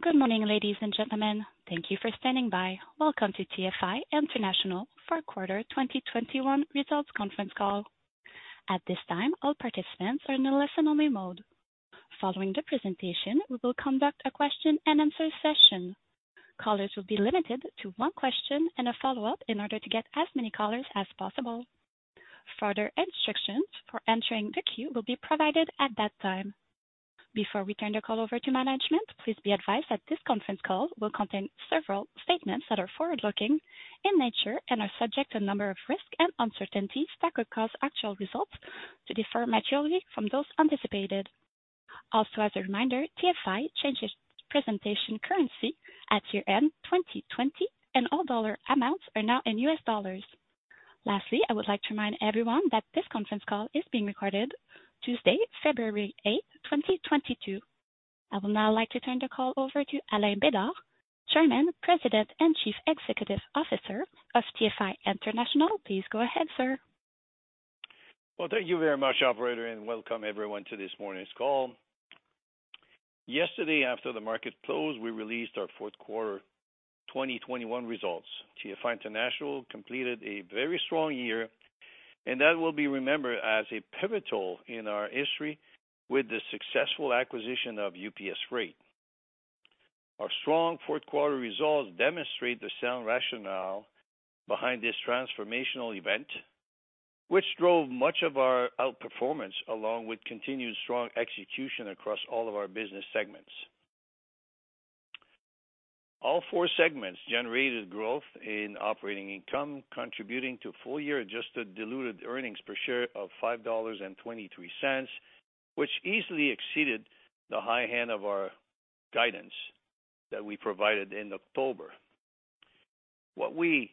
Good morning, ladies and gentlemen. Thank you for standing by. Welcome to TFI International Fourth Quarter 2021 Results Conference Call. At this time, all participants are in a listen-only mode. Following the presentation, we will conduct a question-and-answer session. Callers will be limited to one question and a follow-up in order to get as many callers as possible. Further instructions for entering the queue will be provided at that time. Before we turn the call over to management, please be advised that this conference call will contain several statements that are forward-looking in nature and are subject to a number of risks and uncertainties that could cause actual results to differ materially from those anticipated. Also, as a reminder, TFI changed its presentation currency at year-end 2020 and all dollar amounts are now in US dollars. Lastly, I would like to remind everyone that this conference call is being recorded Tuesday, February 8th, 2022. I would now like to turn the call over to Alain Bédard, Chairman, President, and Chief Executive Officer of TFI International. Please go ahead, sir. Well, thank you very much, operator, and welcome everyone to this morning's call. Yesterday, after the market closed, we released our fourth quarter 2021 results. TFI International completed a very strong year, and that will be remembered as a pivotal year in our history with the successful acquisition of UPS Freight. Our strong fourth quarter results demonstrate the sound rationale behind this transformational event, which drove much of our outperformance, along with continued strong execution across all of our business segments. All four segments generated growth in operating income, contributing to full-year adjusted diluted earnings per share of $5.23, which easily exceeded the high end of our guidance that we provided in October. What we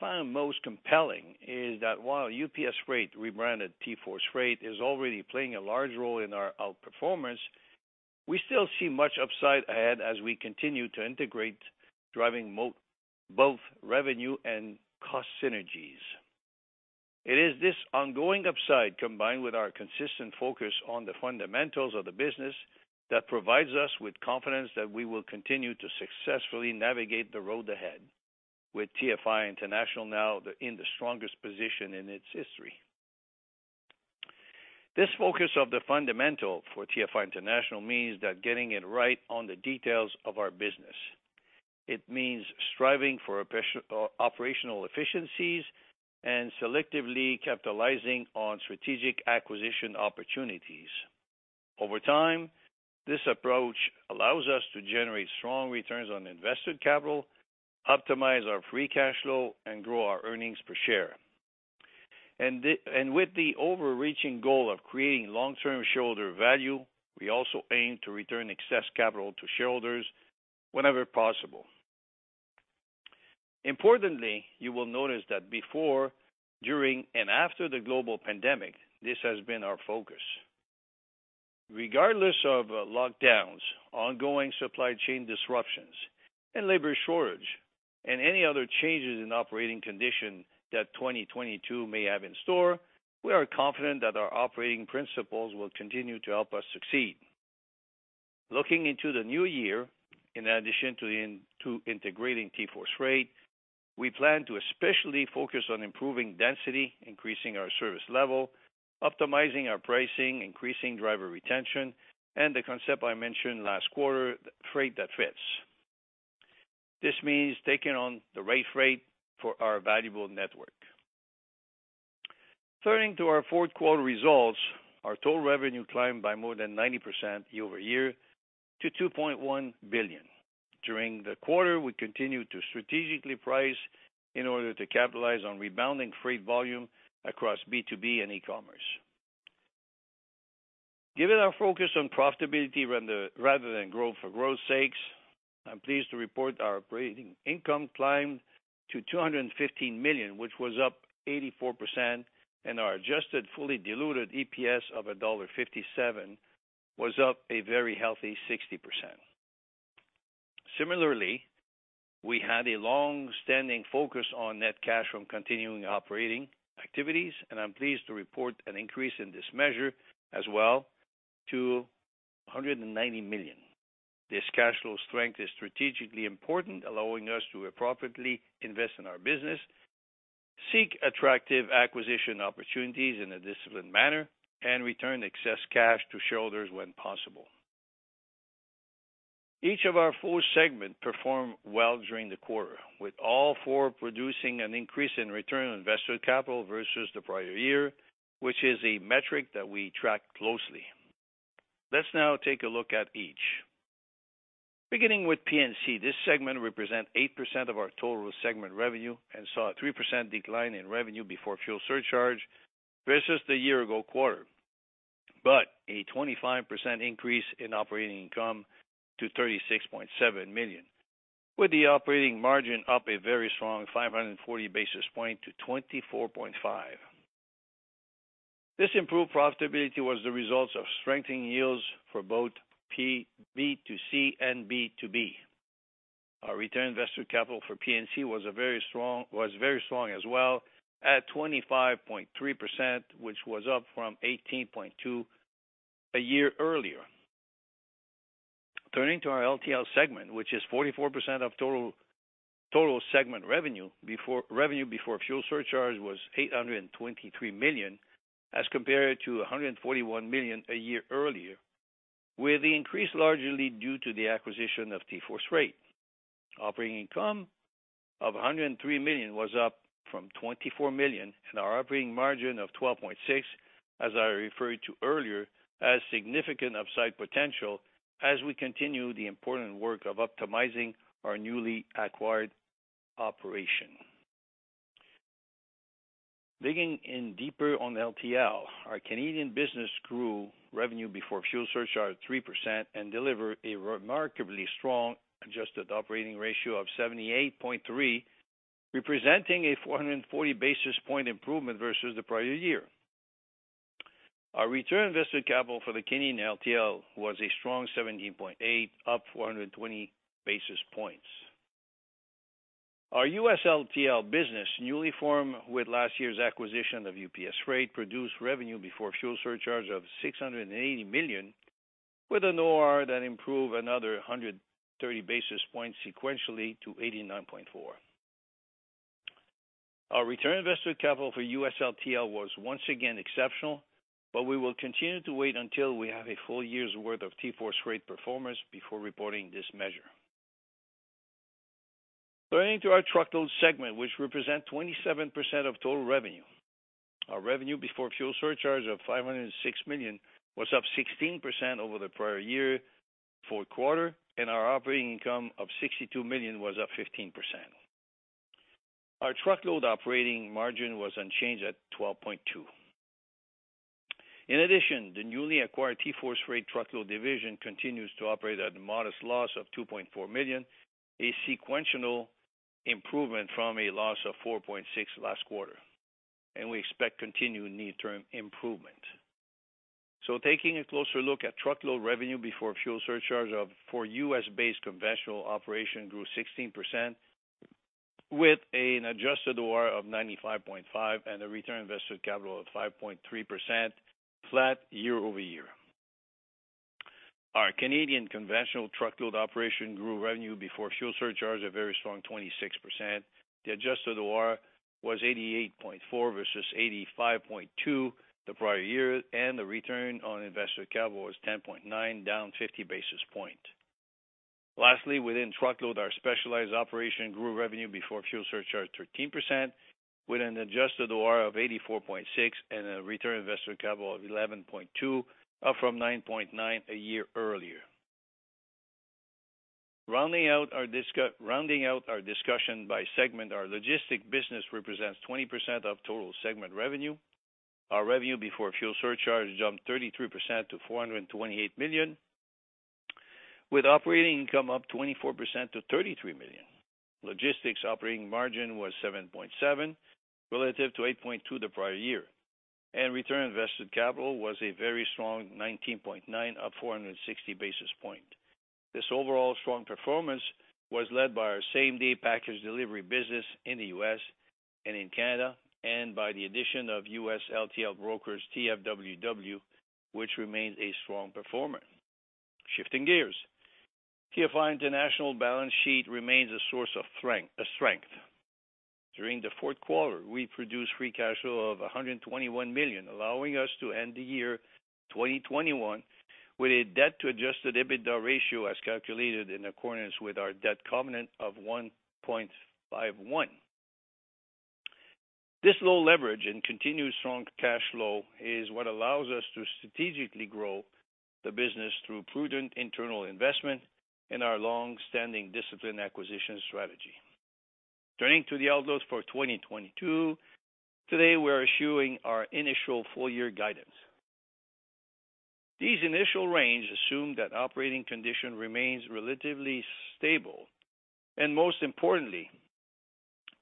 found most compelling is that while UPS Freight, rebranded TForce Freight, is already playing a large role in our outperformance, we still see much upside ahead as we continue to integrate driving both revenue and cost synergies. It is this ongoing upside, combined with our consistent focus on the fundamentals of the business, that provides us with confidence that we will continue to successfully navigate the road ahead with TFI International now in the strongest position in its history. This focus on the fundamentals for TFI International means that getting it right on the details of our business. It means striving for operational efficiencies and selectively capitalizing on strategic acquisition opportunities. Over time, this approach allows us to generate strong returns on invested capital, optimize our free cash flow, and grow our earnings per share. With the overarching goal of creating long-term shareholder value, we also aim to return excess capital to shareholders whenever possible. Importantly, you will notice that before, during, and after the global pandemic, this has been our focus. Regardless of lockdowns, ongoing supply chain disruptions, and labor shortage, and any other changes in operating condition that 2022 may have in store, we are confident that our operating principles will continue to help us succeed. Looking into the new year, in addition to integrating TForce Freight, we plan to especially focus on improving density, increasing our service level, optimizing our pricing, increasing driver retention, and the concept I mentioned last quarter, freight that fits. This means taking on the right freight for our valuable network. Turning to our fourth quarter results, our total revenue climbed by more than 90% year over year to $2.1 billion. During the quarter, we continued to strategically price in order to capitalize on rebounding freight volume across B2B and e-commerce. Given our focus on profitability rather than growth for growth sakes, I'm pleased to report our operating income climbed to $215 million, which was up 84%, and our adjusted fully diluted EPS of $1.57 was up a very healthy 60%. Similarly, we had a long-standing focus on net cash from continuing operating activities, and I'm pleased to report an increase in this measure as well to $190 million. This cash flow strength is strategically important, allowing us to appropriately invest in our business, seek attractive acquisition opportunities in a disciplined manner, and return excess cash to shareholders when possible. Each of our four segments performed well during the quarter, with all four producing an increase in return on invested capital versus the prior year, which is a metric that we track closely. Let's now take a look at each. Beginning with P&C, this segment represents 8% of our total segment revenue and saw a 3% decline in revenue before fuel surcharge versus the year ago quarter, but a 25% increase in operating income to $36.7 million, with the operating margin up a very strong 540 basis points to 24.5%. This improved profitability was the result of strengthening yields for both P&C, B2C and B2B. Our return on invested capital for P&C was very strong as well, at 25.3%, which was up from 18.2% a year earlier. Turning to our LTL segment, which is 44% of total segment revenue. Revenue before fuel surcharge was $823 million, as compared to $141 million a year earlier, with the increase largely due to the acquisition of TForce Freight. Operating income of $103 million was up from $24 million, and our operating margin of 12.6%, as I referred to earlier, has significant upside potential as we continue the important work of optimizing our newly acquired operation. Digging in deeper on LTL, our Canadian business grew revenue before fuel surcharge 3% and delivered a remarkably strong adjusted operating ratio of 78.3, representing a 440 basis point improvement versus the prior year. Our return on invested capital for the Canadian LTL was a strong 17.8, up 420 basis points. Our US LTL business, newly formed with last year's acquisition of UPS Freight, produced revenue before fuel surcharge of $680 million, with an OR that improved another 130 basis points sequentially to 89.4. Our return on invested capital for US LTL was once again exceptional, but we will continue to wait until we have a full year's worth of TForce Freight performance before reporting this measure. Turning to our Truckload segment, which represents 27% of total revenue. Our revenue before fuel surcharge of $506 million was up 16% over the prior-year fourth quarter, and our operating income of $62 million was up 15%. Our Truckload operating margin was unchanged at 12.2%. In addition, the newly acquired TForce Freight Truckload division continues to operate at a modest loss of $2.4 million, a sequential improvement from a loss of $4.6 million last quarter, and we expect continued near-term improvement. Taking a closer look at Truckload revenue before fuel surcharge for US based conventional operation grew 16% with an adjusted OR of 95.5 and a return on invested capital of 5.3%, flat year-over-year. Our Canadian conventional Truckload operation grew revenue before fuel surcharge, a very strong 26%.The adjusted OR was 88.4 versus 85.2 the prior year, and the return on invested capital was 10.9, down 50 basis points. Lastly, within Truckload, our specialized operation grew revenue before fuel surcharge 13% with an adjusted OR of 84.6 and a return on invested capital of 11.2, up from 9.9 a year earlier. Rounding out our discussion by segment, our Logistics business represents 20% of total segment revenue. Our revenue before fuel surcharge jumped 33% to $428 million, with operating income up 24% to $33 million. Logistics operating margin was 7.7, relative to 8.2 the prior year. Return on invested capital was a very strong 19.9, up 460 basis points. This overall strong performance was led by our same-day package delivery business in the U.S. and in Canada, and by the addition of US LTL Brokers, TFWW, which remains a strong performer. Shifting gears. TFI International balance sheet remains a source of strength. During the fourth quarter, we produced free cash flow of $121 million, allowing us to end the year 2021 with a debt to Adjusted EBITDA ratio as calculated in accordance with our debt covenant of 1.51. This low leverage and continued strong cash flow is what allows us to strategically grow the business through prudent internal investment and our long-standing disciplined acquisition strategy. Turning to the outlook for 2022, today we're issuing our initial full year guidance. These initial ranges assume that operating conditions remain relatively stable, and most importantly,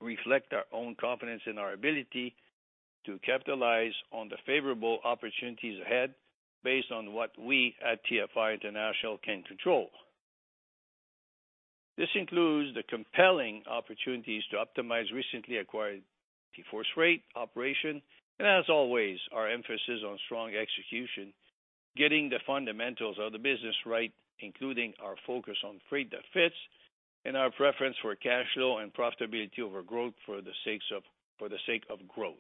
reflect our own confidence in our ability to capitalize on the favorable opportunities ahead based on what we at TFI International can control. This includes the compelling opportunities to optimize recently acquired TForce Freight operations, and as always, our emphasis on strong execution, getting the fundamentals of the business right, including our focus on freight that fits, and our preference for cash flow and profitability over growth for the sake of growth.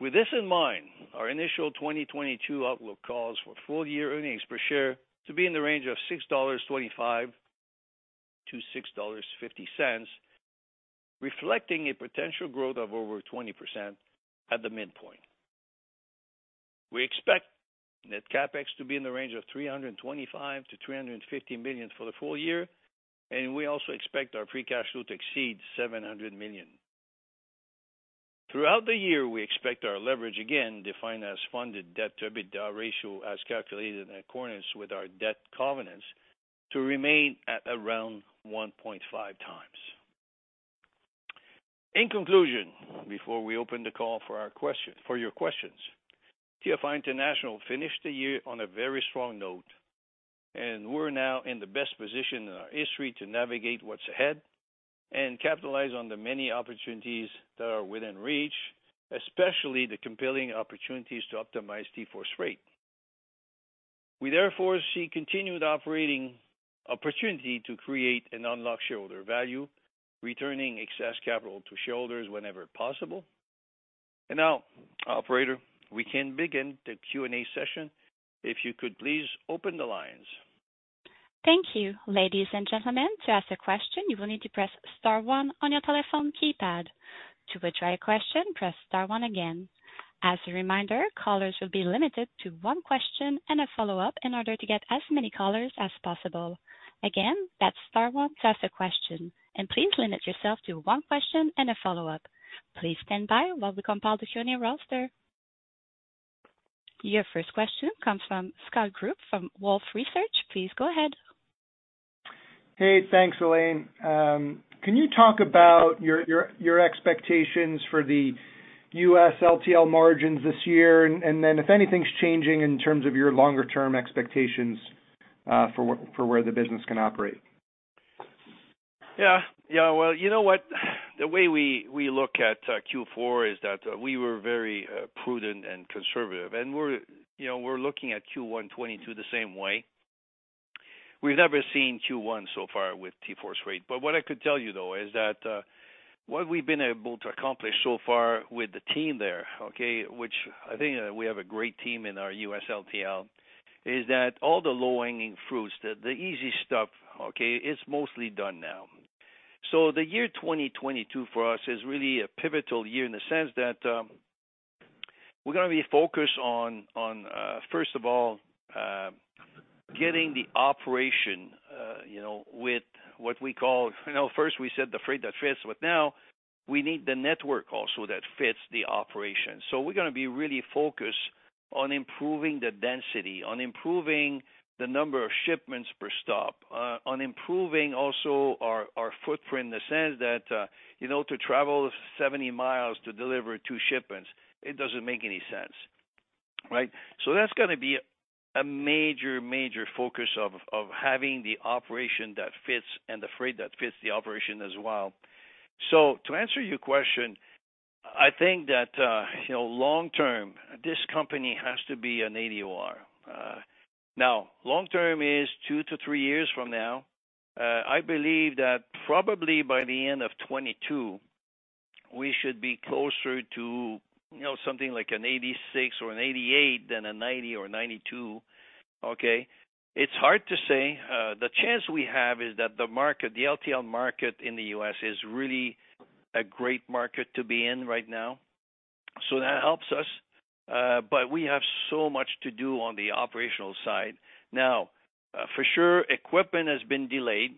With this in mind, our initial 2022 outlook calls for full-year earnings per share to be in the range of $6.25-$6.50, reflecting a potential growth of over 20% at the midpoint. We expect net CapEx to be in the range of $325 million-$350 million for the full year, and we also expect our free cash flow to exceed $700 million. Throughout the year, we expect our leverage, again, defined as funded debt to EBITDA ratio, as calculated in accordance with our debt covenants, to remain at around 1.5x. In conclusion, before we open the call for your questions, TFI International finished the year on a very strong note, and we're now in the best position in our history to navigate what's ahead and capitalize on the many opportunities that are within reach, especially the compelling opportunities to optimize TForce Freight. We therefore see continued operating opportunity to create and unlock shareholder value, returning excess capital to shareholders whenever possible. Now, operator, we can begin the Q&A session. If you could please open the lines. Thank you. Ladies and gentlemen, to ask a question, you will need to press star one on your telephone keypad. To withdraw your question, press star one again. As a reminder, callers will be limited to one question and a follow-up in order to get as many callers as possible. Again, that's star one to ask a question, and please limit yourself to one question and a follow-up. Please stand by while we compile the Q&A roster. Your first question comes from Scott Group from Wolfe Research. Please go ahead. Hey, thanks, Alain. Can you talk about your expectations for the US LTL margins this year, and then if anything's changing in terms of your longer term expectations, for where the business can operate? Well, you know what? The way we look at Q4 is that we were very prudent and conservative, and we're, you know, looking at Q1 2022 the same way. We've never seen Q1 so far with TForce Freight. What I could tell you, though, is that what we've been able to accomplish so far with the team there, okay, which I think we have a great team in our US LTL, is that all the low-hanging fruits, the easy stuff, okay, is mostly done now. The year 2022 for us is really a pivotal year in the sense that we're gonna be focused on first of all getting the operation, you know, with what we call...You know, first we said the freight that fits, but now we need the network also that fits the operation. We're gonna be really focused on improving the density, on improving the number of shipments per stop, on improving also our footprint in the sense that, you know, to travel 70 miles to deliver two shipments, it doesn't make any sense, right? That's gonna be a major focus of having the operation that fits and the freight that fits the operation as well. To answer your question, I think that, you know, long term, this company has to be an 80 OR. Now, long term is two to three years from now. I believe that probably by the end of 2022, we should be closer to, you know, something like an 86% or an 88% than a 90% or 92%. It's hard to say. The chance we have is that the market, the LTL market in the U.S. is really a great market to be in right now, so that helps us. We have so much to do on the operational side. For sure, equipment has been delayed.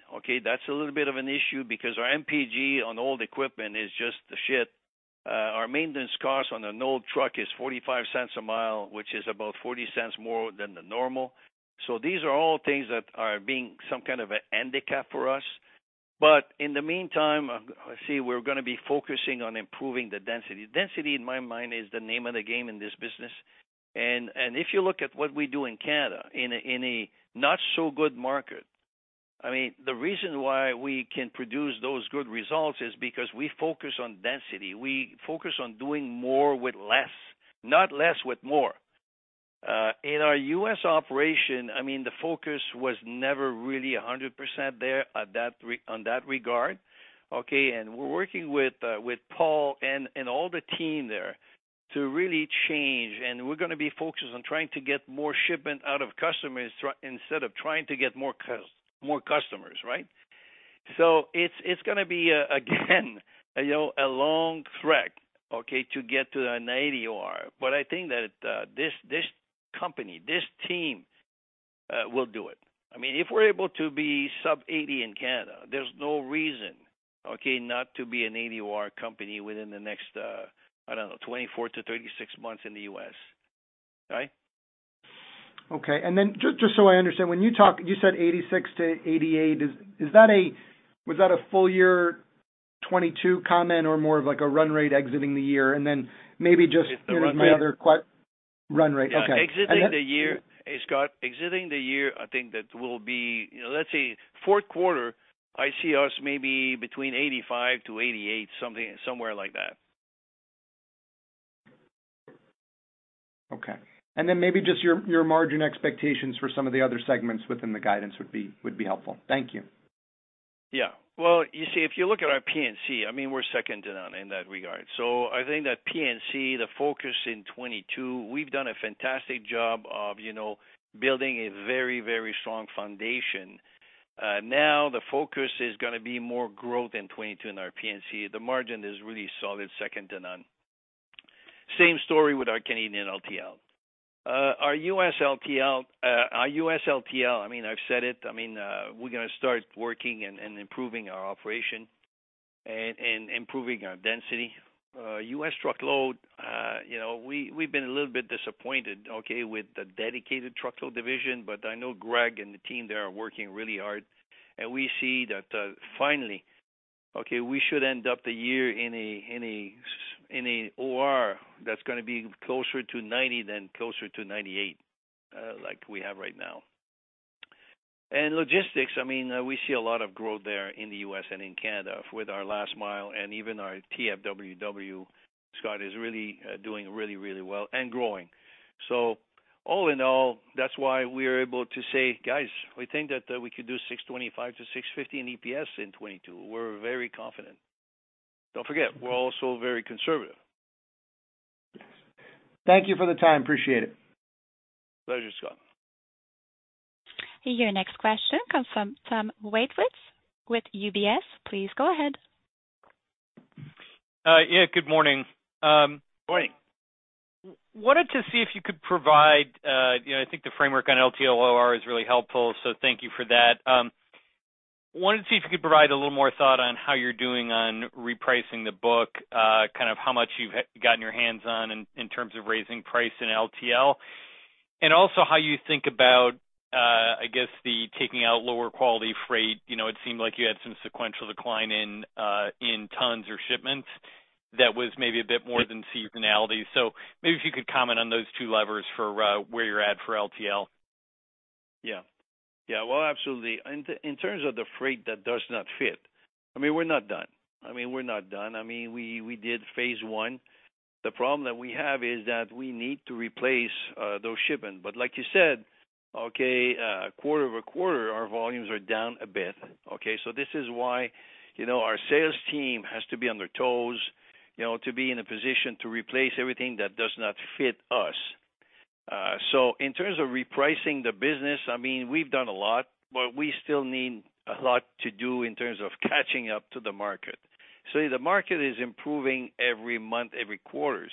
That's a little bit of an issue because our MPG on old equipment is just the shit. Our maintenance cost on an old truck is $0.45 a mile, which is about $0.40 more than the normal. These are all things that are being some kind of a handicap for us. In the meantime, we're gonna be focusing on improving the density. Density in my mind is the name of the game in this business. If you look at what we do in Canada in a not so good market, I mean, the reason why we can produce those good results is because we focus on density. We focus on doing more with less, not less with more. In our US operation, I mean, the focus was never really 100% there in that regard, okay? We're working with Paul and all the team there to really change, and we're gonna be focused on trying to get more shipment out of customers instead of trying to get more customers, right? It's gonna be, again, you know, a long trek, okay, to get to an 80 OR. But I think that this company, this team will do it. I mean, if we're able to be sub-80 in Canada, there's no reason, okay, not to be an 80 OR company within the next, I don't know, 24-36 months in the U.S. All right. Okay. Just so I understand, when you talk, you said 86%-88%. Is that a full year 2022 comment or more like a run rate exiting the year? And then maybe just- It's a run rate. Run rate. Okay. I just Yeah. Hey, Scott. Exiting the year, I think that we'll be. Let's say fourth quarter, I see us maybe between 85%-88%, something somewhere like that. Okay. Maybe just your margin expectations for some of the other segments within the guidance would be helpful. Thank you. Yeah. Well, you see, if you look at our P&C, I mean, we're second to none in that regard. I think that P&C, the focus in 2022, we've done a fantastic job of, you know, building a very, very strong foundation. Now the focus is gonna be more growth in 2022 in our P&C. The margin is really solid, second to none. Same story with our Canadian LTL. Our US LTL, I mean, I've said it, I mean, we're gonna start working and improving our operation and improving our density. US Truckload, you know, we've been a little bit disappointed, okay, with the dedicated Truckload division, but I know Greg and the team there are working really hard. We see that, finally, okay, we should end up the year in a OR that's gonna be closer to 90 than closer to 98, like we have right now. Logistics, I mean, we see a lot of growth there in the U.S. and in Canada with our last mile and even our TFWW. Scott is really doing well and growing. All in all, that's why we're able to say, "Guys, we think that we could do 625-650 in EPS in 2022." We're very confident. Don't forget, we're also very conservative. Thank you for the time. Appreciate it. Pleasure, Scott. Your next question comes from Tom Wadewitz with UBS. Please go ahead. Yeah, good morning. Morning. Wanted to see if you could provide, you know, I think the framework on LTL OR is really helpful, so thank you for that. I wanted to see if you could provide a little more thought on how you're doing on repricing the book, kind of how much you've gotten your hands on in terms of raising price in LTL. Also how you think about, I guess the taking out lower quality freight. You know, it seemed like you had some sequential decline in tons or shipments that was maybe a bit more than seasonality. Maybe if you could comment on those two levers for where you're at for LTL. Yeah. Yeah. Well, absolutely. In terms of the freight that does not fit, I mean, we're not done. I mean, we did Phase One. The problem that we have is that we need to replace those shipments. Like you said, okay, quarter-over-quarter, our volumes are down a bit, okay? This is why, you know, our sales team has to be on their toes, you know, to be in a position to replace everything that does not fit us. So in terms of repricing the business, I mean, we've done a lot, but we still need a lot to do in terms of catching up to the market. See, the market is improving every month, every quarters.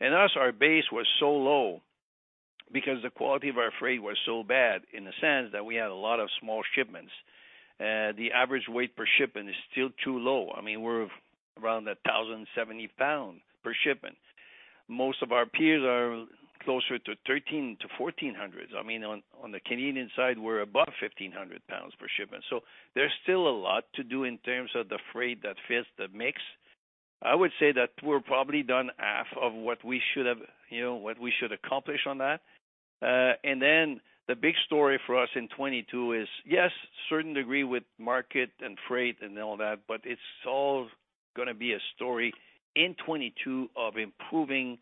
Us, our base was so low because the quality of our freight was so bad in the sense that we had a lot of small shipments. The average weight per shipment is still too low. I mean, we're around 1,070 pound per shipment. Most of our peers are closer to 1,300-1,400. I mean, on the Canadian side, we're above 1,500 pounds per shipment. There's still a lot to do in terms of the freight that fits the mix. I would say that we're probably done half of what we should have, you know, what we should accomplish on that. The big story for us in 2022 is, yes, to a certain degree with market and freight and all that, but it's all gonna be a story in 2022 of improving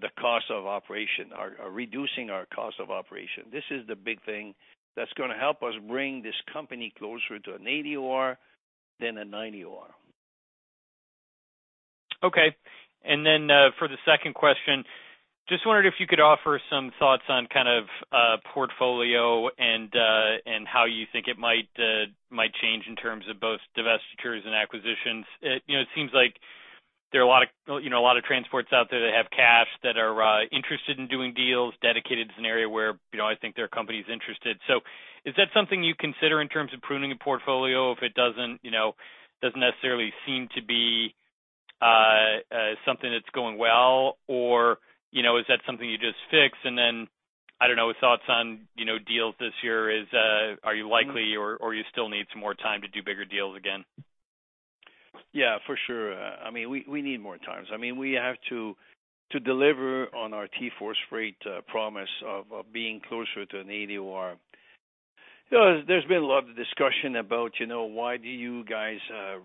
the cost of operation or reducing our cost of operation. This is the big thing that's gonna help us bring this company closer to an 80 OR than a 90 OR. Okay. For the second question, just wondered if you could offer some thoughts on kind of portfolio and how you think it might change in terms of both divestitures and acquisitions. You know, it seems like there are a lot of, you know, a lot of transports out there that have cash that are interested in doing deals dedicated to an area where, you know, I think their company's interested. Is that something you consider in terms of pruning a portfolio if it doesn't, you know, doesn't necessarily seem to be something that's going well or, you know, is that something you just fix and then, I don't know, thoughts on, you know, deals this year. Are you likely or you still need some more time to do bigger deals again? Yeah, for sure. I mean, we need more times. I mean, we have to deliver on our TForce Freight promise of being closer to an 80 OR. You know, there's been a lot of discussion about, you know, why do you guys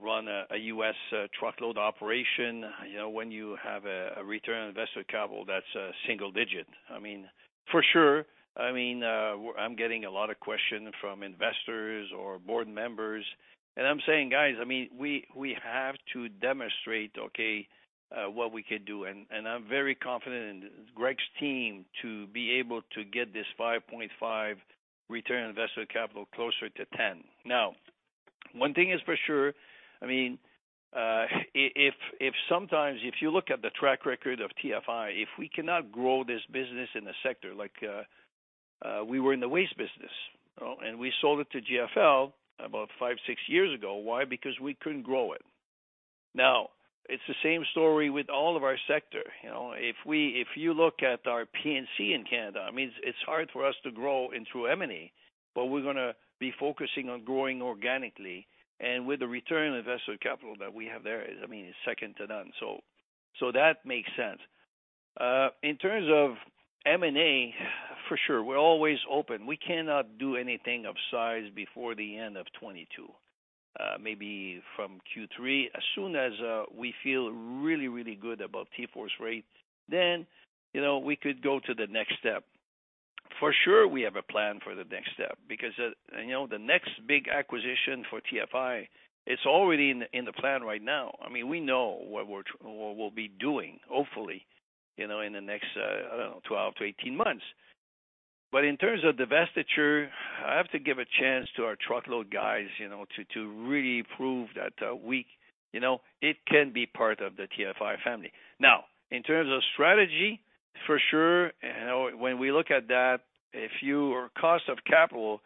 run a US Truckload operation, you know, when you have a return on invested capital that's single-digit? I mean, for sure. I mean, I'm getting a lot of question from investors or board members, and I'm saying, "Guys, I mean, we have to demonstrate, okay, what we could do." I'm very confident in Greg's team to be able to get this 5.5 return on invested capital closer to 10. Now, one thing is for sure, I mean, if sometimes, if you look at the track record of TFI, if we cannot grow this business in a sector like, we were in the Waste business, and we sold it to GFL about 5-6 years ago. Why? Because we couldn't grow it. Now, it's the same story with all of our sector. You know, If you look at our P&C in Canada, I mean, it's hard for us to grow in through M&A, but we're gonna be focusing on growing organically. With the return on invested capital that we have there is, I mean, is second to none. So that makes sense. In terms of M&A, for sure, we're always open. We cannot do anything of size before the end of 2022. Maybe from Q3. As soon as we feel really good about TForce Freight, then, you know, we could go to the next step. For sure, we have a plan for the next step because, you know, the next big acquisition for TFI, it's already in the plan right now. I mean, we know what we'll be doing, hopefully, you know, in the next 12-18 months. In terms of divestiture, I have to give a chance to our Truckload guys, you know, to really prove that we, you know, it can be part of the TFI family. Now, in terms of strategy. For sure. When we look at that, if your cost of capital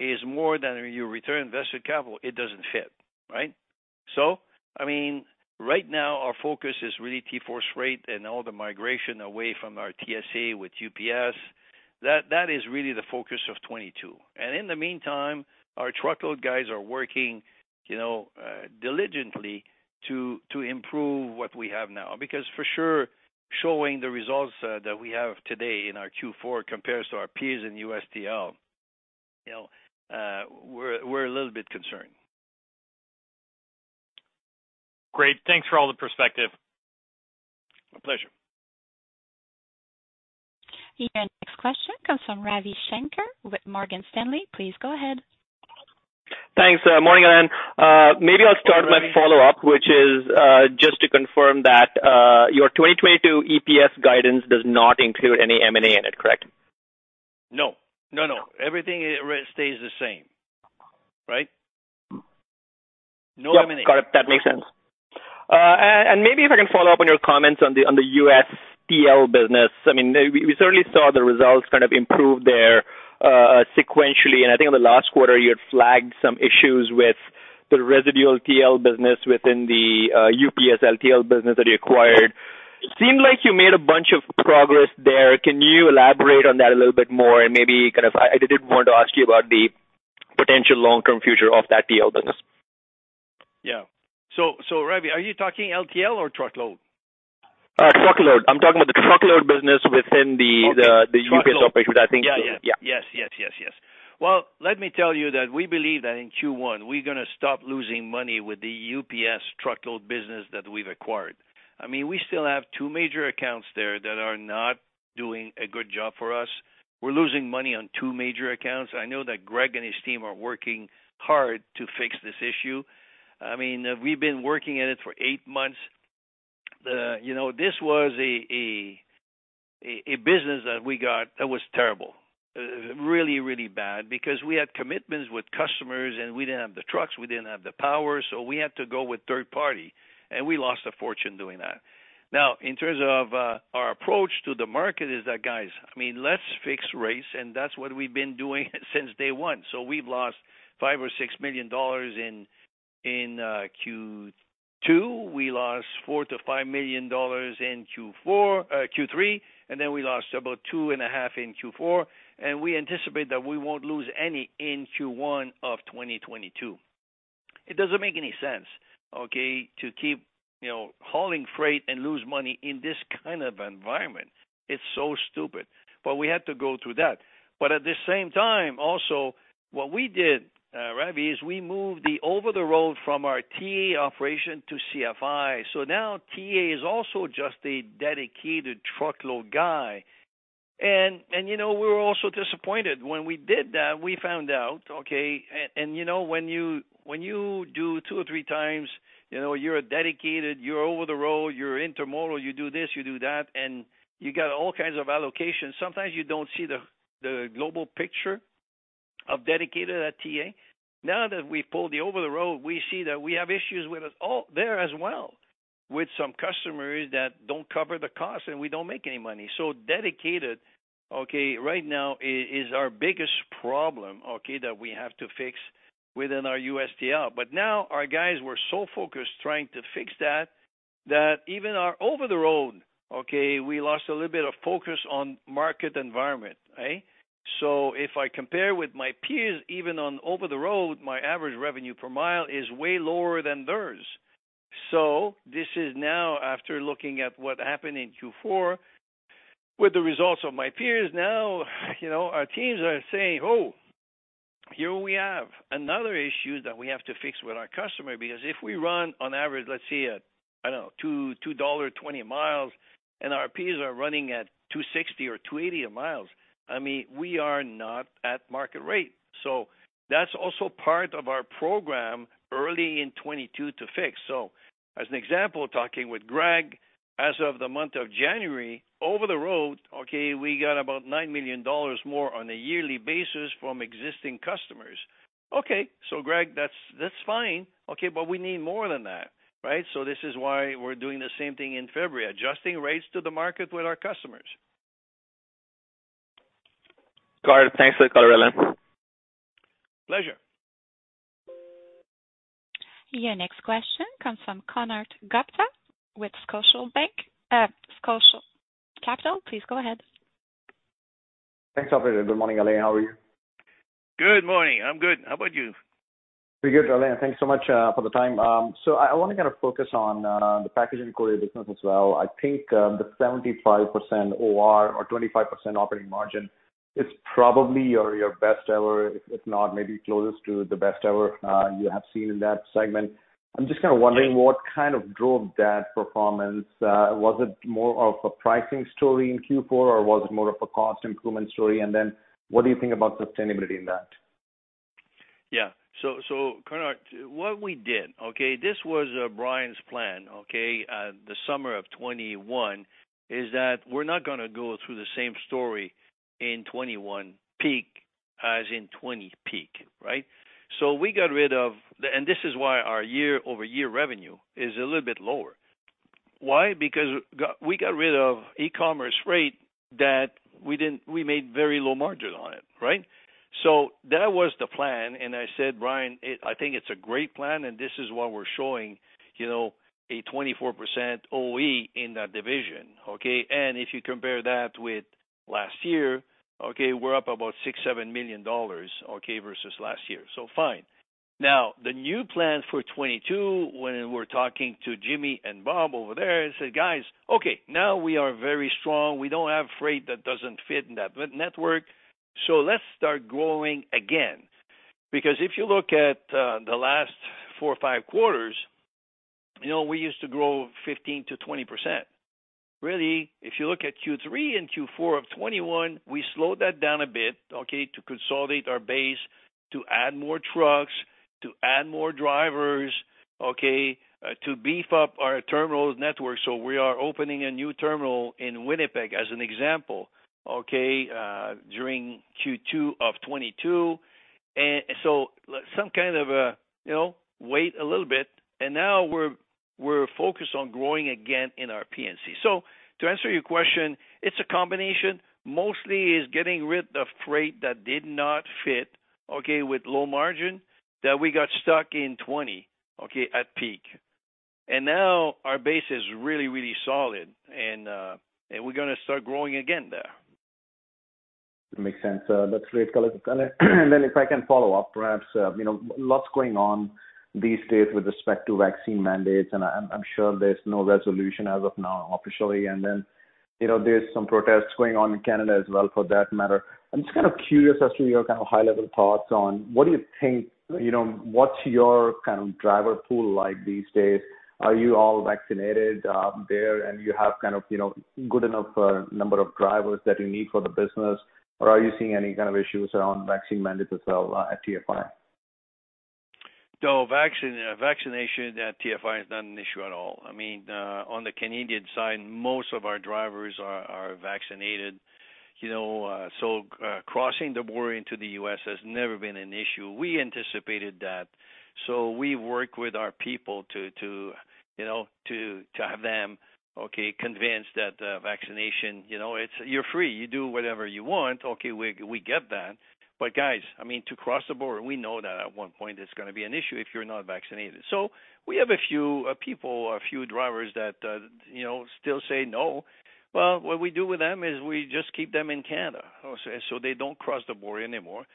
is more than your return on invested capital, it doesn't fit, right? I mean, right now our focus is really TForce Freight and all the migration away from our TSA with UPS. That is really the focus of 2022. In the meantime, our Truckload guys are working, you know, diligently to improve what we have now. Because for sure, showing the results that we have today in our Q4 compares to our peers in USTL, you know, we're a little bit concerned. Great. Thanks for all the perspective. My pleasure. Your next question comes from Ravi Shanker with Morgan Stanley. Please go ahead. Thanks. Morning, Alain. Maybe I'll start my follow-up, which is just to confirm that your 2022 EPS guidance does not include any M&A in it, correct? No. No, no. Everything remains the same, right? No M&A. Yeah. Got it. That makes sense. And maybe if I can follow up on your comments on the USTL business. I mean, we certainly saw the results kind of improve there, sequentially. I think in the last quarter, you had flagged some issues with the residual TL business within the UPS LTL business that you acquired. Seemed like you made a bunch of progress there. Can you elaborate on that a little bit more. I did want to ask you about the potential long-term future of that TL business. Ravi, are you talking LTL or Truckload? Truckload. I'm talking about the Truckload business within the Okay. Truckload. the UPS operation. I think Yeah, yeah. Yeah. Yes. Well, let me tell you that we believe that in Q1 we're gonna stop losing money with the UPS Truckload business that we've acquired. I mean, we still have two major accounts there that are not doing a good job for us. We're losing money on two major accounts. I know that Greg and his team are working hard to fix this issue. I mean, we've been working at it for eight months. You know, this was a business that we got that was terrible. Really, really bad because we had commitments with customers, and we didn't have the trucks, we didn't have the power, so we had to go with third party, and we lost a fortune doing that. Now, in terms of our approach to the market is that, guys, I mean, let's fix rates, and that's what we've been doing since day one. We've lost $5 million-$6 million in Q2. We lost $4 million-$5 million in Q3, and then we lost about $2.5 million in Q4, and we anticipate that we won't lose any in Q1 of 2022. It doesn't make any sense, okay, to keep, you know, hauling freight and lose money in this kind of environment. It's so stupid. We had to go through that. At the same time, also, what we did, Ravi, is we moved the Over-the-Road from our TA operation to CFI. Now TA is also just a dedicated Truckload guy. You know, we were also disappointed. When we did that, we found out. You know, when you, when you do two or three times, you know, you're a dedicated, you're Over-the-Road, you're intermodal, you do this, you do that, and you got all kinds of allocations. Sometimes you don't see the global picture of dedicated at TA. Now that we pulled the Over-the-Road, we see that we have issues with it all there as well, with some customers that don't cover the cost and we don't make any money. Dedicated, okay, right now is our biggest problem, okay, that we have to fix within our USTL. But now our guys were so focused trying to fix that even our Over-the-Road, okay, we lost a little bit of focus on market environment, right? If I compare with my peers, even on Over-the-Road, my average revenue per mile is way lower than theirs. This is now after looking at what happened in Q4 with the results of my peers. Now, you know, our teams are saying, "Oh, here we have another issue that we have to fix with our customer." Because if we run on average, let's say, I don't know, $2.20 miles and our peers are running at $2.60 or $2.80 a mile, I mean, we are not at market rate. That's also part of our program early in 2022 to fix. As an example, talking with Greg, as of the month of January, Over-the-Road, okay, we got about $9 million more on a yearly basis from existing customers. Okay. Greg, that's fine. Okay. We need more than that, right? This is why we're doing the same thing in February, adjusting rates to the market with our customers. Got it. Thanks for the call, Alain. Pleasure. Your next question comes from Konark Gupta with Scotiabank. Please go ahead. Thanks, operator. Good morning, Alain. How are you? Good morning. I'm good. How about you? Pretty good, Alain. Thanks so much for the time. I wanna kinda focus on the Package and Courier business as well. I think the 75% OR or 25% operating margin is probably your best ever, if not maybe closest to the best ever you have seen in that segment. I'm just kinda wondering what kind of drove that performance. Was it more of a pricing story in Q4, or was it more of a cost improvement story? Then what do you think about sustainability in that? Konark, what we did, okay. This was Brian's plan, okay, the summer of 2021, is that we're not gonna go through the same story in 2021 peaks as in 2020 peak, right? We got rid of. This is why our year-over-year revenue is a little bit lower. Why? Because we got rid of e-commerce freight that we made very low margin on it, right? That was the plan, and I said, "Brian, I think it's a great plan," and this is why we're showing, you know, 24% OE in that division, okay? If you compare that with last year, okay, we're up about $6 million-$7 million, okay, versus last year. Fine. Now the new plan for 2022, when we're talking to Jimmy and Bob over there and say, "Guys, okay, now we are very strong. We don't have freight that doesn't fit in that B-network. Let's start growing again. Because if you look at the last four or five quarters, you know, we used to grow 15%-20%. Really, if you look at Q3 and Q4 of 2021, we slowed that down a bit, okay, to consolidate our base, to add more trucks, to add more drivers, okay, to beef up our terminals network. We are opening a new terminal in Winnipeg as an example, okay, during Q2 of 2022. Some kind of a, you know, wait a little bit, and now we're focused on growing again in our P&C. To answer your question, it's a combination. Mostly it's getting rid of freight that did not fit, okay, with low-margin that we got stuck in 2020, okay, at peak. Now our base is really, really solid, and we're gonna start growing again there. Makes sense. That's great, Alain. Then if I can follow up, perhaps, you know, lots going on these days with respect to vaccine mandates, and I'm sure there's no resolution as of now, officially. Then, you know, there's some protests going on in Canada as well for that matter. I'm just kind of curious as to your kind of high-level thoughts on what do you think. You know, what's your kind of driver pool like these days. Are you all vaccinated, there and you have kind of, you know, good enough, number of drivers that you need for the business? Or are you seeing any kind of issues around vaccine mandates as well, at TFI? Vaccination at TFI is not an issue at all. I mean, on the Canadian side, most of our drivers are vaccinated, you know. Crossing the border into the U.S. has never been an issue. We anticipated that, so we work with our people to have them convinced that vaccination, you know, it's you're free. You do whatever you want. Okay, we get that. But guys, I mean, to cross the border, we know that at one point it's gonna be an issue if you're not vaccinated. We have a few people or a few drivers that you know, still say no. Well, what we do with them is we just keep them in Canada. They don't cross the border anymore.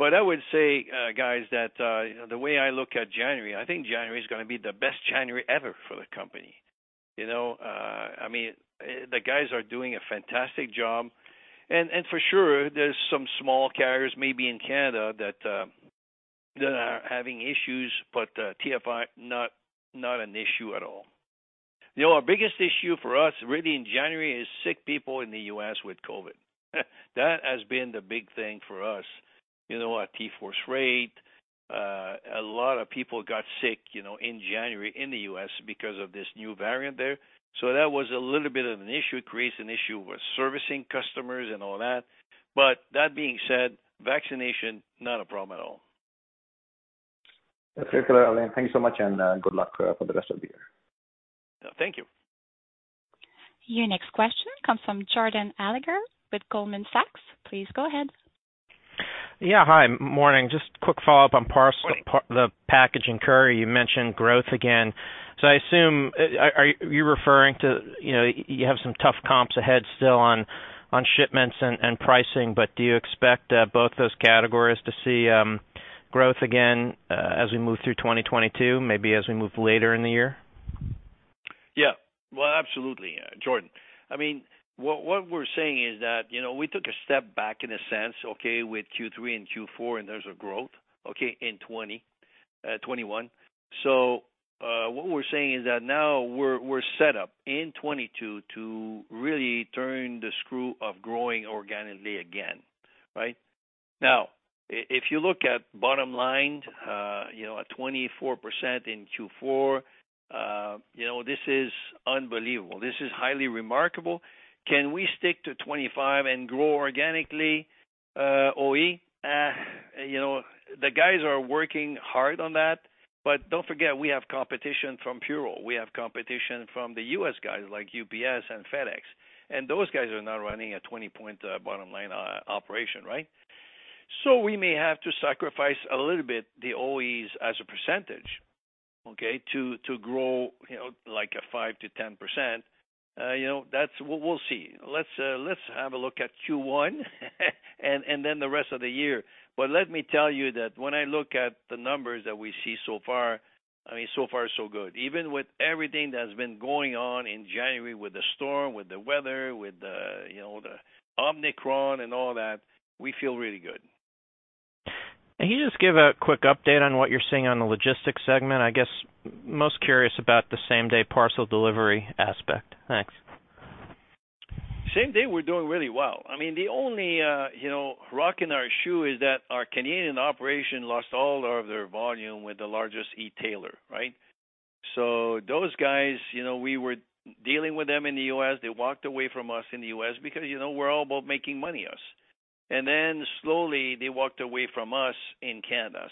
I would say, guys, that, you know, the way I look at January, I think January is gonna be the best January ever for the company. You know, I mean, the guys are doing a fantastic job. And for sure there's some small carriers maybe in Canada that that are having issues, but TFI, not an issue at all. You know, our biggest issue for us really in January is sick people in the U.S. with COVID. That has been the big thing for us. You know, at TForce Freight, a lot of people got sick, you know, in January in the U.S. because of this new variant there. So that was a little bit of an issue. It creates an issue with servicing customers and all that. But that being said, vaccination, not a problem at all. Okay. Alain, thank you so much, and good luck for the rest of the year. Thank you. Your next question comes from Jordan Alliger with Goldman Sachs. Please go ahead. Yeah. Hi. Morning. Just quick follow-up on parcel- Morning. The Package and Courier, you mentioned growth again. I assume, are you referring to, you know, you have some tough comps ahead still on shipments and pricing, but do you expect both those categories to see growth again as we move through 2022, maybe as we move later in the year? Yeah. Well, absolutely, Jordan. I mean, what we're saying is that, you know, we took a step back in a sense, okay, with Q3 and Q4, and there's a growth, okay, in 2020, 2021. What we're saying is that now we're set up in 2022 to really turn the screw of growing organically again, right? Now, if you look at bottom line, you know, at 24% in Q4, you know, this is unbelievable. This is highly remarkable. Can we stick to 25% and grow organically, OE? You know, the guys are working hard on that. But don't forget, we have competition from Purolator. We have competition from the U.S. guys like UPS and FedEx, and those guys are not running a 20-point bottom-line operation, right? We may have to sacrifice a little bit the OEs as a percentage, okay, to grow, you know, like 5%-10%. We'll see. Let's have a look at Q1 and then the rest of the year. Let me tell you that when I look at the numbers that we see so far, I mean, so far so good. Even with everything that's been going on in January with the storm, with the weather, with the, you know, the Omicron and all that, we feel really good. Can you just give a quick update on what you're seeing on the Logistics segment? I guess most curious about the same-day parcel delivery aspect. Thanks. Same-day we're doing really well. I mean, the only, you know, rock in our shoe is that our Canadian operation lost all of their volume with the largest e-tailer, right? Those guys, you know, we were dealing with them in the U.S. They walked away from us in the U.S. because, you know, we're all about making money us. Then slowly they walked away from us in Canada.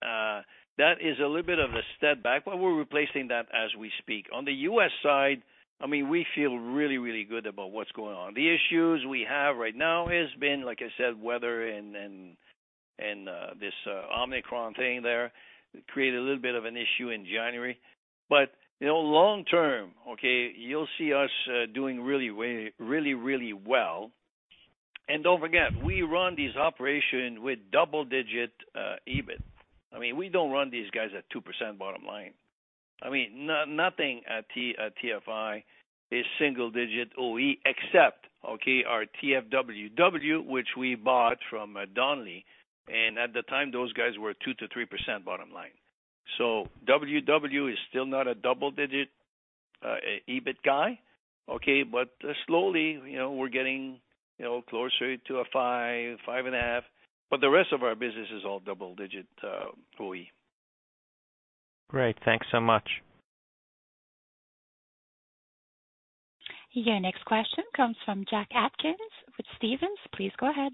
That is a little bit of a step back, but we're replacing that as we speak. On the US side, I mean, we feel really, really good about what's going on. The issues we have right now has been, like I said, weather and this Omicron thing there. It created a little bit of an issue in January. You know, long term, okay, you'll see us doing really way really well. Don't forget, we run these operations with double-digit EBIT. I mean, we don't run these guys at 2% bottom line. I mean, nothing at TFI is single-digit OE except our TFWW, which we bought from Donnelley. At the time, those guys were 2%-3% bottom line. WW is still not a double-digit EBIT guy. Okay, but slowly, you know, we're getting closer to a 5.5. The rest of our business is all double-digit OE. Great. Thanks so much. Your next question comes from Jack Atkins with Stephens. Please go ahead.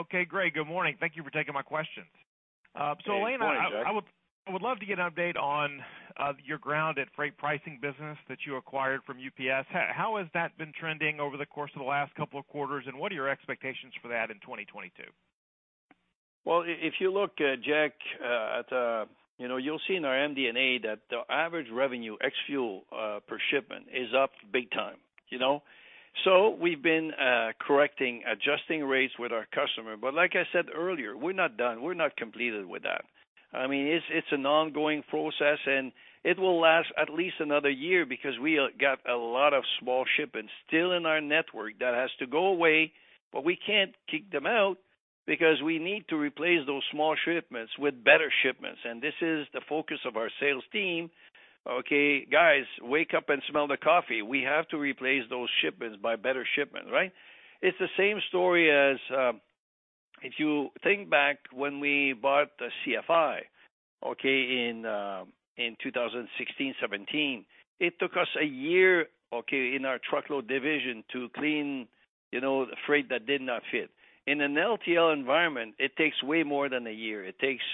Okay, great. Good morning. Thank you for taking my questions. Alain. Good morning, Jack. I would love to get an update on your TForce Freight business that you acquired from UPS. How has that been trending over the course of the last couple of quarters, and what are your expectations for that in 2022? Well, if you look, Jack, at you know, you'll see in our MD&A that the average revenue ex fuel per shipment is up big time, you know. We've been correcting, adjusting rates with our customer. Like I said earlier, we're not done. We're not completed with that. I mean, it's an ongoing process, and it will last at least another year because we got a lot of small shipments still in our network that has to go away, but we can't kick them out because we need to replace those small shipments with better shipments. This is the focus of our sales team. Okay, guys, wake up and smell the coffee. We have to replace those shipments by better shipments, right? It's the same story as if you think back when we bought the CFI, okay, in 2016, 2017. It took us a year, okay, in our Truckload division to clean, you know, the freight that did not fit. In an LTL environment, it takes way more than a year. It takes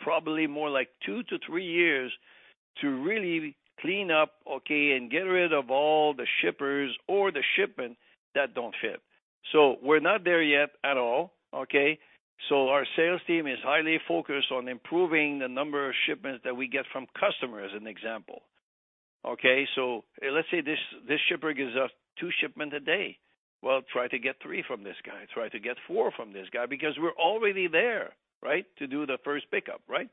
probably more like 2-3 years to really clean up, okay, and get rid of all the shippers or the shipment that don't fit. So we're not there yet at all, okay? So our sales team is highly focused on improving the number of shipments that we get from customers, as an example. Okay, so let's say this shipper gives us two shipments a day. Well, try to get three from this guy. Try to get four from this guy because we're already there, right, to do the first pickup, right?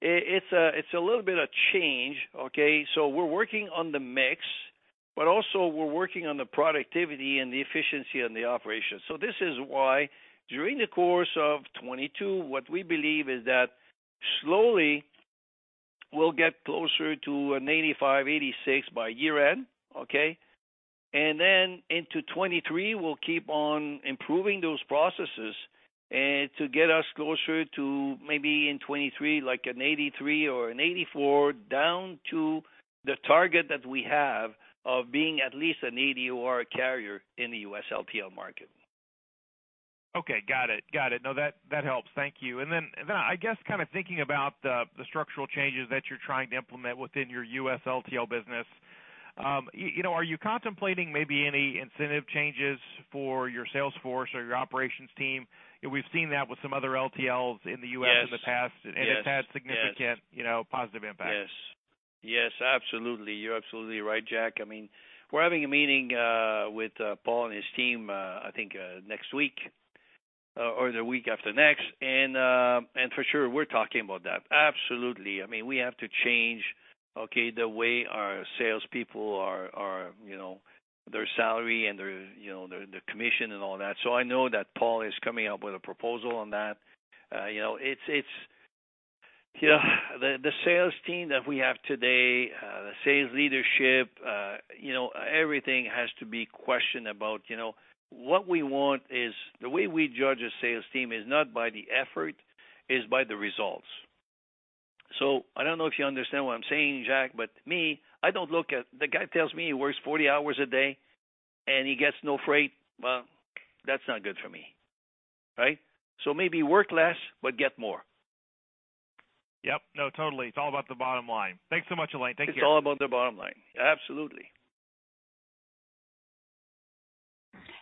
It's a little bit of change, okay. We're working on the mix, but also we're working on the productivity and the efficiency on the operation. This is why during the course of 2022, what we believe is that slowly we'll get closer to an 85 OR, 86 OR by year-end, okay. Into 2023, we'll keep on improving those processes, to get us closer to maybe in 2023, like an 83 OR or an 84 OR, down to the target that we have of being at least an 80 OR a carrier in the US LTL market. Okay. Got it. No, that helps. Thank you. I guess kind of thinking about the structural changes that you're trying to implement within your US LTL business, you know, are you contemplating maybe any incentive changes for your sales force or your operations team? We've seen that with some other LTLs in the U.S. in the past. Yes. Yes. it's had significant Yes. You know, positive impact. Yes. Absolutely. You're absolutely right, Jack. I mean, we're having a meeting with Paul and his team, I think, next week or the week after next. For sure we're talking about that. Absolutely. I mean, we have to change, okay, the way our salespeople are, you know, their salary and their, you know, their commission and all that. I know that Paul is coming up with a proposal on that. You know, it's you know, the sales team that we have today, the sales leadership, you know, everything has to be questioned about. You know, what we want is the way we judge a sales team is not by the effort, is by the results. I don't know if you understand what I'm saying, Jack, but me, I don't look at, the guy tells me he works 40 hours a day and he gets no freight. Well, that's not good for me, right? Maybe work less, but get more. Yep. No, totally. It's all about the bottom line. Thanks so much, Alain. Thank you. It's all about the bottom line. Absolutely.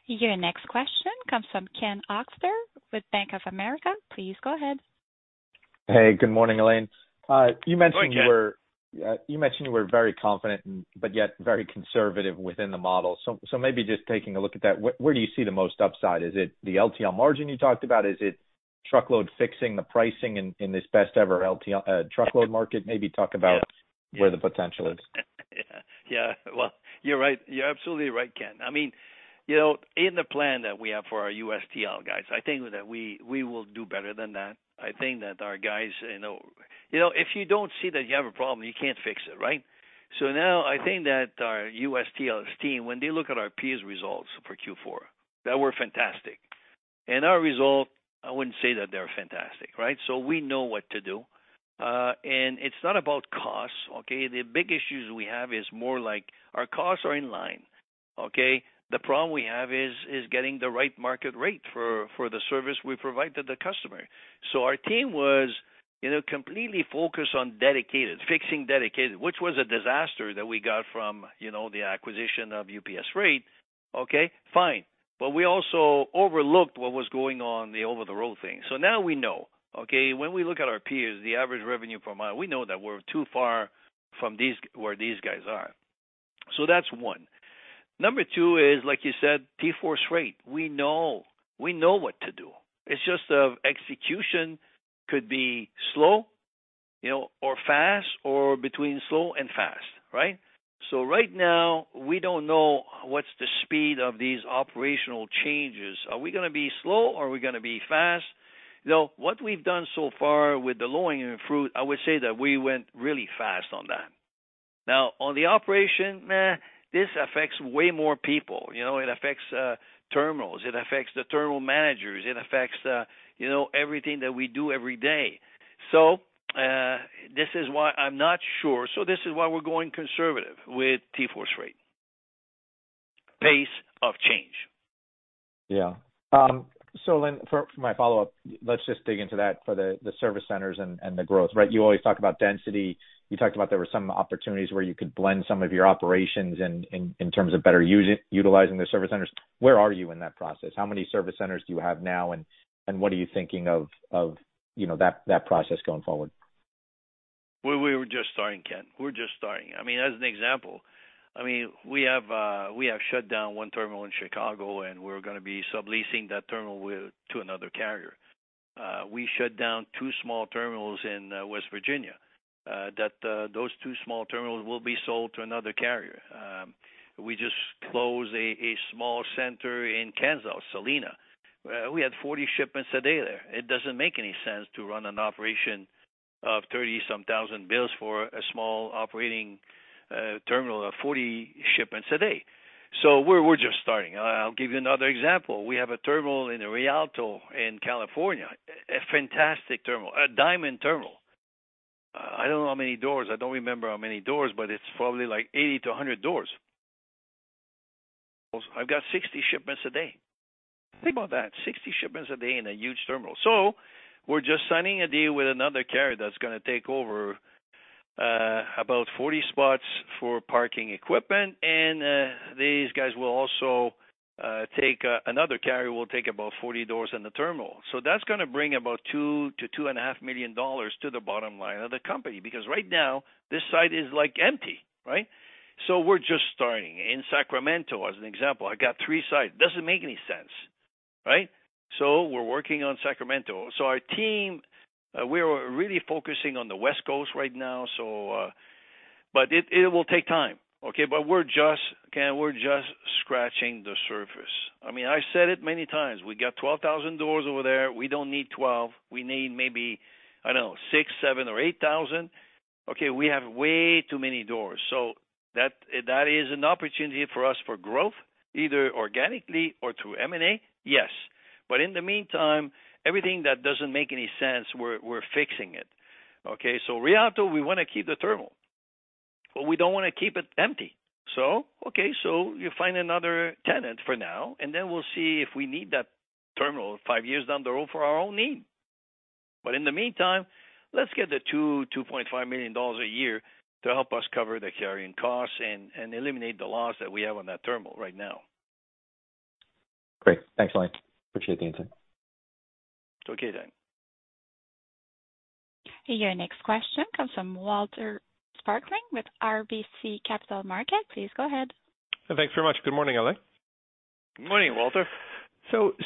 Your next question comes from Ken Hoexter with Bank of America. Please go ahead. Hey, good morning, Alain. You mentioned you were- Good morning, Ken. You mentioned you were very confident and but yet very conservative within the model. Maybe just taking a look at that, where do you see the most upside? Is it the LTL margin you talked about? Is it Truckload fixing the pricing in this best ever LTL Truckload market? Maybe talk about Yes. Yes. where the potential is. Yeah. Yeah. Well, you're right. You're absolutely right, Ken. I mean, you know, in the plan that we have for our USTL guys, I think that we will do better than that. I think that our guys, you know. You know, if you don't see that you have a problem, you can't fix it, right? Now I think that our USTL team, when they look at our peers results for Q4, that were fantastic. Our result, I wouldn't say that they're fantastic, right? We know what to do. It's not about costs, okay? The big issues we have is more like our costs are in line, okay? The problem we have is getting the right market rate for the service we provide to the customer. Our team was, you know, completely focused on Dedicated, fixing Dedicated, which was a disaster that we got from, you know, the acquisition of UPS Freight. Okay, fine. We also overlooked what was going on in the Over-the-Road thing. Now we know, okay? When we look at our peers, the average revenue per mile, we know that we're too far from these, where these guys are. That's one. Number two is, like you said, TForce Freight. We know what to do. It's just the execution could be slow, you know, or fast, or between slow and fast, right? Right now, we don't know what's the speed of these operational changes. Are we gonna be slow or are we gonna be fast? You know, what we've done so far with the low-hanging fruit, I would say that we went really fast on that. Now, on the operation, this affects way more people. You know, it affects terminals, it affects the terminal managers, it affects you know, everything that we do every day. This is why I'm not sure. This is why we're going conservative with TForce Freight pace of change. For my follow-up, let's just dig into that for the service centers and the growth, right? You always talk about density. You talked about there were some opportunities where you could blend some of your operations in terms of better utilizing the service centers. Where are you in that process? How many service centers do you have now and what are you thinking of you know that process going forward? We're just starting, Ken. I mean, as an example, we have shut down one terminal in Chicago, and we're gonna be subleasing that terminal to another carrier. We shut down two small terminals in West Virginia. Those two small terminals will be sold to another carrier. We just closed a small center in Salina, Kansas. We had 40 shipments a day there. It doesn't make any sense to run an operation of 30-some thousand bills for a small operating terminal of 40 shipments a day. We're just starting. I'll give you another example. We have a terminal in Rialto in California, a fantastic terminal, a diamond terminal. I don't know how many doors.I don't remember how many doors, but it's probably like 80-100 doors. I've got 60 shipments a day. Think about that, 60 shipments a day in a huge terminal. We're just signing a deal with another carrier that's gonna take over about 40 spots for parking equipment. Another carrier will take about 40 doors in the terminal. That's gonna bring about $2 million-$2.5 million to the bottom line of the company, because right now this site is, like, empty, right? We're just starting. In Sacramento, as an example, I got three sites. Doesn't make any sense, right? We're working on Sacramento. Our team, we're really focusing on the West Coast right now. It will take time, okay? We're just...Ken, we're just scratching the surface. I mean, I said it many times, we got 12,000 doors over there. We don't need 12. We need maybe, I don't know, 6,000, 7,000 or 8,000. Okay, we have way too many doors. That is an opportunity for us for growth, either organically or through M&A. Yes. In the meantime, everything that doesn't make any sense, we're fixing it, okay? Rialto, we wanna keep the terminal, but we don't wanna keep it empty. Okay, you find another tenant for now, and then we'll see if we need that terminal five years down the road for our own need. In the meantime, let's get the $2.5 million a year to help us cover the carrying costs and eliminate the loss that we have on that terminal right now. Great. Thanks, Line. Appreciate the insight. It's okay then. Your next question comes from Walter Spracklin with RBC Capital Markets. Please go ahead. Thanks very much. Good morning, Alain. Good morning, Walter.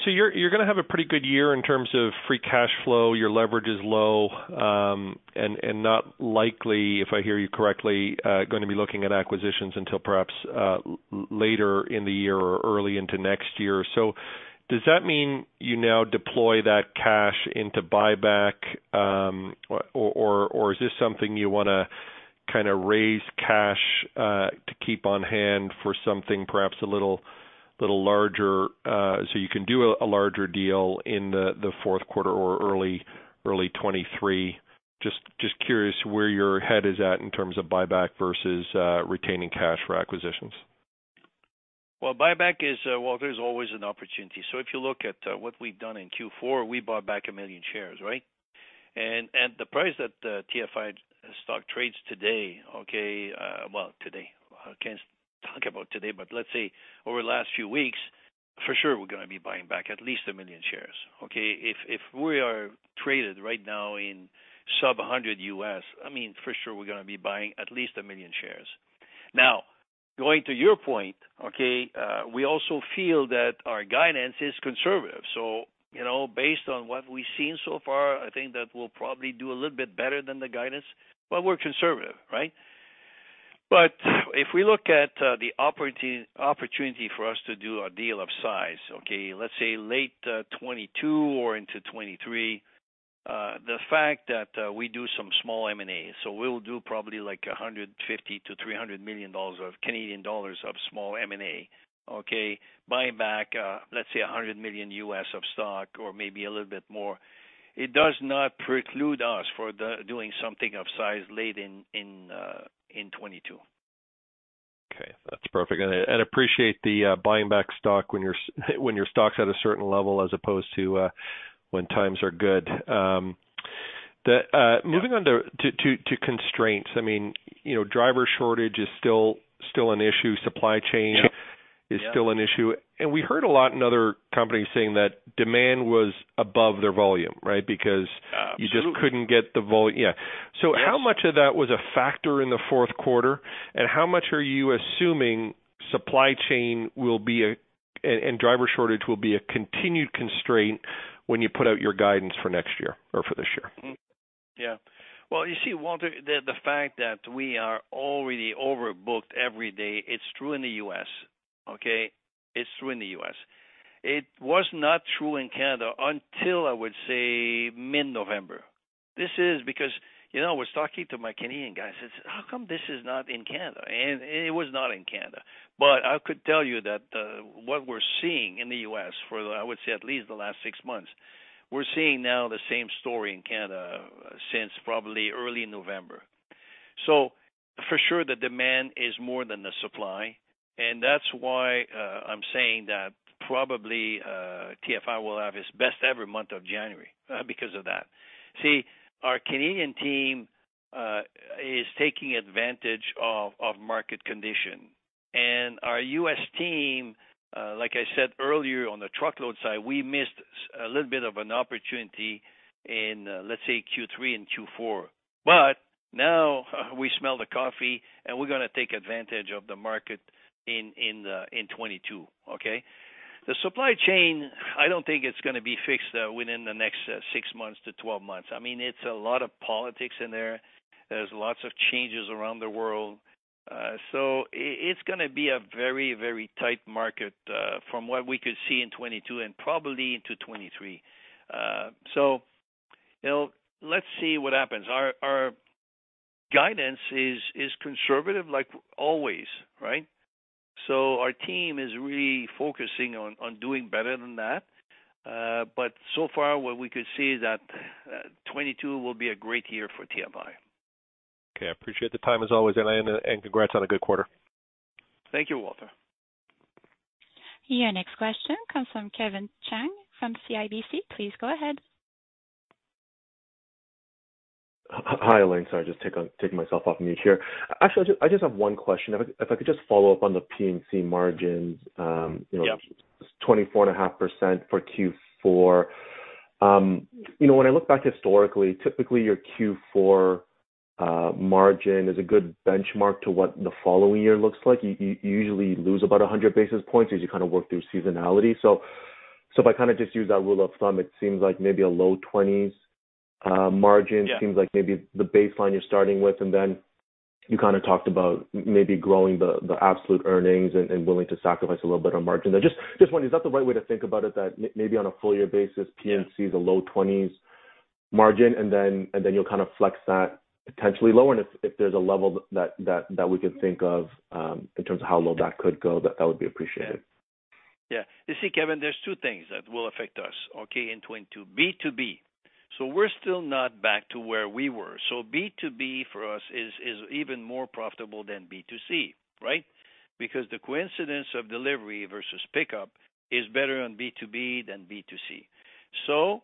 You're gonna have a pretty good year in terms of free cash flow. Your leverage is low, and not likely, if I hear you correctly, gonna be looking at acquisitions until perhaps later in the year or early into next year. Does that mean you now deploy that cash into buyback, or is this something you wanna kinda raise cash to keep on hand for something perhaps a little larger, so you can do a larger deal in the fourth quarter or early 2023? Just curious where your head is at in terms of buyback versus retaining cash for acquisitions. Well, buyback is, Walter, always an opportunity. If you look at what we've done in Q4, we bought back 1 million shares, right? The price that TFI stock trades today, okay. Well, today, I can't talk about today, but let's say over the last few weeks, for sure we're gonna be buying back at least 1 million shares, okay? If we are traded right now in sub-$100 USD, I mean, for sure we're gonna be buying at least 1 million shares. Now, going to your point, okay, we also feel that our guidance is conservative. You know, based on what we've seen so far, I think that we'll probably do a little bit better than the guidance, but we're conservative, right? If we look at the opportunity for us to do a deal of size, okay, let's say late 2022 or into 2023, the fact that we do some small M&A, so we'll do probably like 150 million-300 million dollars of small M&A. Okay. Buying back, let's say $100 million of stock or maybe a little bit more. It does not preclude us from doing something of size late in 2022. Okay. That's perfect. I appreciate the buying back stock when your stock's at a certain level as opposed to when times are good, moving on to constraints. I mean, you know, driver shortage is still an issue. Supply chain- Yeah. is still an issue. We heard a lot in other companies saying that demand was above their volume, right? Absolutely. How much of that was a factor in the fourth quarter, and how much are you assuming supply chain and driver shortage will be a continued constraint when you put out your guidance for next year or for this year? Yeah. Well, you see Walter, the fact that we are already overbooked every day, it's true in the U.S. It's true in the U.S. It was not true in Canada until I would say mid-November. This is because, you know, I was talking to my Canadian guys, I said, "How come this is not in Canada?" It was not in Canada, but I could tell you that what we're seeing in the U.S. for, I would say at least the last six months, we're seeing now the same story in Canada since probably early November. For sure the demand is more than the supply, and that's why I'm saying that probably TFI will have its best ever month of January because of that. See, our Canadian team is taking advantage of market condition. Our US team, like I said earlier on the Truckload side, we missed a little bit of an opportunity in, let's say Q3 and Q4, but now we smell the coffee, and we're gonna take advantage of the market in 2022. Okay. The supply chain, I don't think it's gonna be fixed within the next six months to 12 months. I mean, it's a lot of politics in there. There's lots of changes around the world. So it's gonna be a very, very tight market from what we could see in 2022 and probably into 2023. So, you know, let's see what happens. Our guidance is conservative like always, right? So our team is really focusing on doing better than that. So far, what we could see is that 2022 will be a great year for TFI. Okay. I appreciate the time as always, Alain, and congrats on a good quarter. Thank you, Walter. Your next question comes from Kevin Chiang, from CIBC. Please go ahead. Hi, Alain. Sorry, just taking myself off mute here. Actually, I just have one question. If I could just follow up on the P&C margins, you know- Yeah. 24.5% for Q4. You know, when I look back historically, typically your Q4 margin is a good benchmark to what the following year looks like. You usually lose about 100 basis points as you kinda work through seasonality. If I kinda just use that rule of thumb, it seems like maybe a low 20s margin- Yeah. Seems like maybe the baseline you're starting with, and then you kinda talked about maybe growing the absolute earnings and willing to sacrifice a little bit on margin. I just wonder, is that the right way to think about it that maybe on a full year basis, P&C is a low 20s margin, and then you'll kinda flex that potentially lower? And if there's a level that we can think of in terms of how low that could go, that would be appreciated. Yeah. You see, Kevin, there's two things that will affect us, okay, in 2022. B2B. We're still not back to where we were. B2B for us is even more profitable than B2C. Right? Because the coincidence of delivery versus pickup is better on B2B than B2C.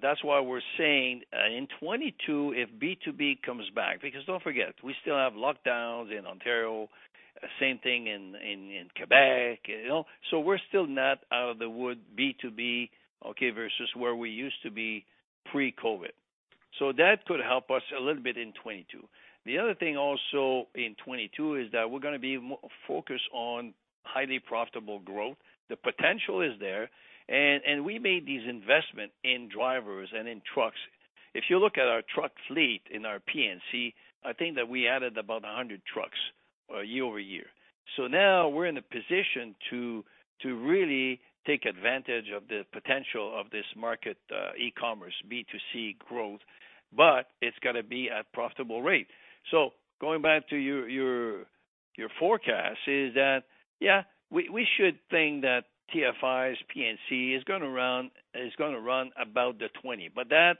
That's why we're saying in 2022, if B2B comes back, because don't forget we still have lockdowns in Ontario, same thing in Quebec, you know. We're still not out of the woods B2B, okay, versus where we used to be pre-COVID. That could help us a little bit in 2022. The other thing also in 2022 is that we're gonna be more focused on highly profitable growth. The potential is there, and we made these investments in drivers and in trucks. If you look at our truck fleet in our P&C, I think that we added about 100 trucks year over year. Now we're in a position to really take advantage of the potential of this market, e-commerce B2C growth, but it's gotta be at profitable rate. Going back to your forecast is that, yeah, we should think that TFI's P&C is gonna run about the 20, but that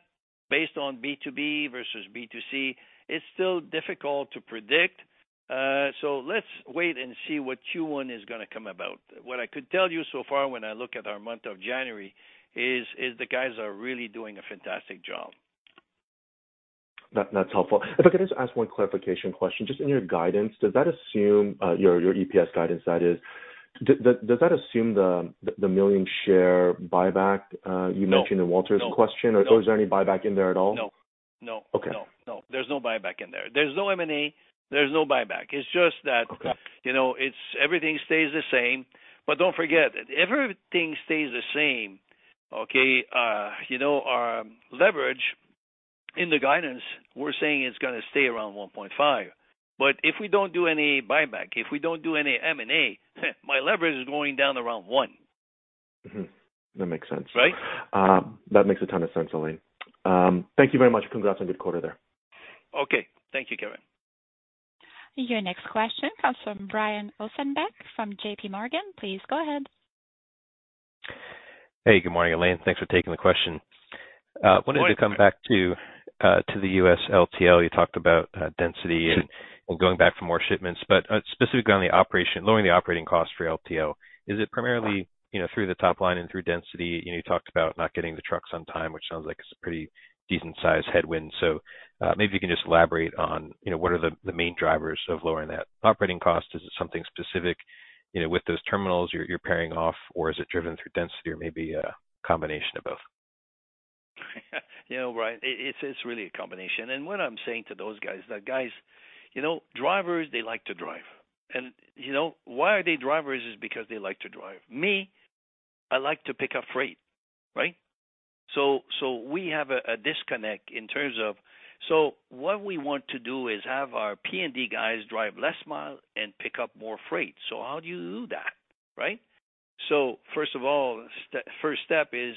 based on B2B versus B2C, it's still difficult to predict. Let's wait and see what Q1 is gonna come about. What I could tell you so far when I look at our month of January is the guys are really doing a fantastic job. That's helpful. If I could just ask one clarification question. Just in your guidance, does that assume your EPS guidance, that is. Does that assume the million share buyback? No. You mentioned in Walter's question? No. Is there any buyback in there at all? No. Okay. No. There's no buyback in there. There's no M&A, there's no buyback. It's just that. Okay. You know, it's everything stays the same. Don't forget, if everything stays the same, okay, you know, our leverage. In the guidance, we're saying it's gonna stay around 1.5. If we don't do any buyback, if we don't do any M&A, my leverage is going down to around 1. Mm-hmm. That makes sense. Right? That makes a ton of sense, Alain. Thank you very much. Congrats on good quarter there. Okay. Thank you, Kevin. Your next question comes from Brian Ossenbeck from JPMorgan. Please go ahead. Hey, good morning, Alain. Thanks for taking the question. Of course. I wanted to come back to the US LTL. You talked about density and going back for more shipments, but specifically on the operation, lowering the operating cost for LTL, is it primarily, you know, through the top line and through density? You know, you talked about not getting the trucks on time, which sounds like it's a pretty decent-sized headwind. Maybe you can just elaborate on, you know, what are the main drivers of lowering that operating cost. Is it something specific, you know, with those terminals you're pairing off, or is it driven through density or maybe a combination of both? You know, Brian, it's really a combination. What I'm saying to those guys, you know, drivers, they like to drive. You know, why are they drivers is because they like to drive. Me, I like to pick up freight, right? We have a disconnect in terms of. What we want to do is have our P&D guys drive less miles and pick up more freight. How do you do that, right? First of all, first step is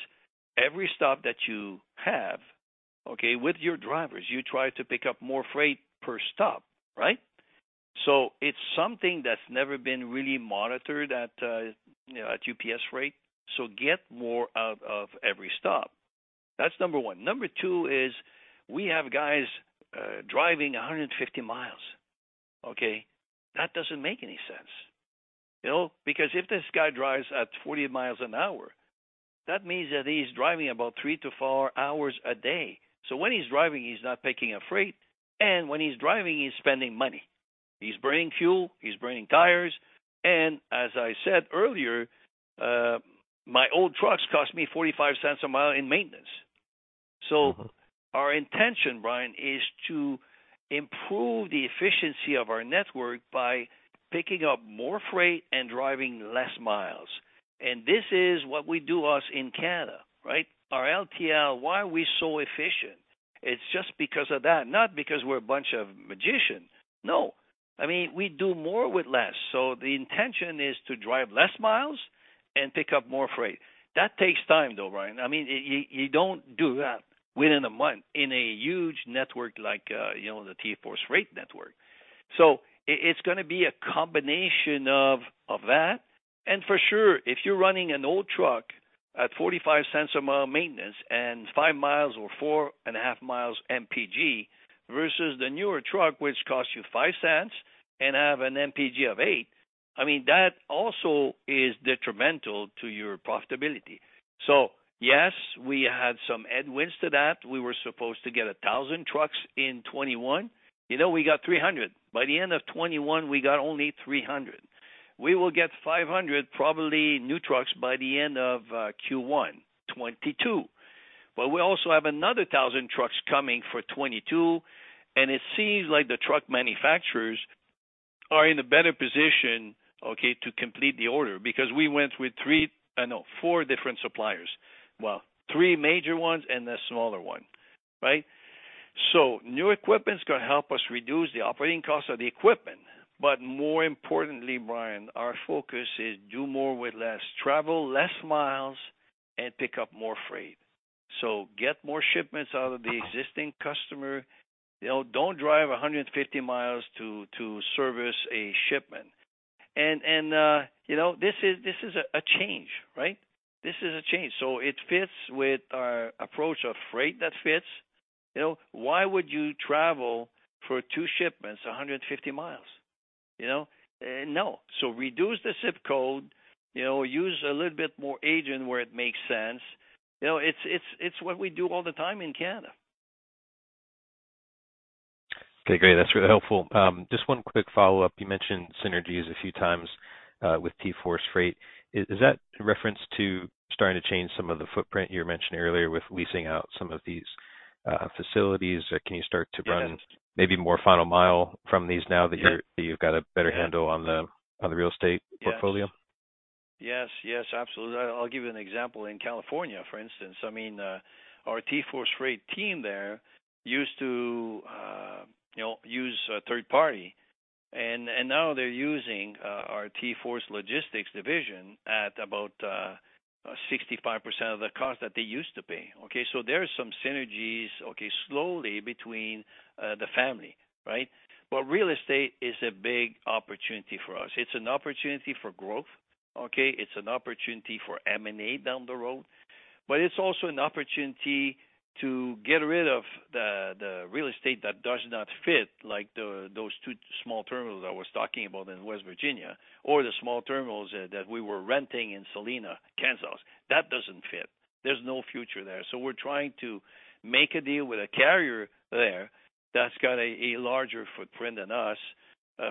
every stop that you have, okay, with your drivers, you try to pick up more freight per stop, right? It's something that's never been really monitored at, you know, at UPS Freight. Get more out of every stop. That's number one. Number two is we have guys driving 150 miles, okay? That doesn't make any sense. You know? Because if this guy drives at 40 miles an hour, that means that he's driving about 3-4 hours a day. When he's driving, he's not picking up freight, and when he's driving, he's spending money. He's burning fuel. He's burning tires. As I said earlier, my old trucks cost me $0.45 a mile in maintenance. Our intention, Brian, is to improve the efficiency of our network by picking up more freight and driving less miles. This is what we do in Canada, right? Our LTL, why are we so efficient? It's just because of that, not because we're a bunch of magicians. No. I mean, we do more with less. The intention is to drive less miles and pick up more freight. That takes time, though, Brian. I mean, you don't do that within a month in a huge network like, you know, the TForce Freight network. It's gonna be a combination of that. For sure, if you're running an old truck at $0.45 a mile maintenance and 5 miles or 4.5 miles MPG versus the newer truck which costs you $0.05 and have an MPG of eight, I mean, that also is detrimental to your profitability. Yes, we had some headwinds to that. We were supposed to get 1,000 trucks in 2021. You know, we got 300. By the end of 2021, we got only 300. We will get 500, probably new trucks by the end of Q1 2022. We also have another 1,000 trucks coming for 2022, and it seems like the truck manufacturers are in a better position, okay, to complete the order because we went with four different suppliers. Well, three major ones and a smaller one, right? New equipment's gonna help us reduce the operating cost of the equipment. More importantly, Brian, our focus is do more with less. Travel less miles and pick up more freight. Get more shipments out of the existing customer. You know, don't drive 150 miles to service a shipment. And you know, this is a change, right? This is a change. It fits with our approach of freight that fits. You know, why would you travel for two shipments 150 miles? You know? Reduce the ZIP code, you know, use a little bit more agent where it makes sense. You know, it's what we do all the time in Canada. Okay, great. That's really helpful. Just one quick follow-up. You mentioned synergies a few times with TForce Freight. Is that in reference to starting to change some of the footprint you mentioned earlier with leasing out some of these facilities? Can you start to run- Yes. Maybe more final mile from these now that you're Yeah. You've got a better handle on the real estate portfolio? Yes, absolutely. I'll give you an example. In California, for instance, I mean, our TForce Freight team there used to, you know, use a third party, and now they're using our TForce Logistics division at about 65% of the cost that they used to pay, okay? So there are some synergies, okay, slowly between the family, right? But real estate is a big opportunity for us. It's an opportunity for growth, okay? It's an opportunity for M&A down the road, but it's also an opportunity to get rid of the real estate that does not fit, like those two small terminals I was talking about in West Virginia or the small terminals that we were renting in Salina, Kansas. That doesn't fit. There's no future there. We're trying to make a deal with a carrier there that's got a larger footprint than us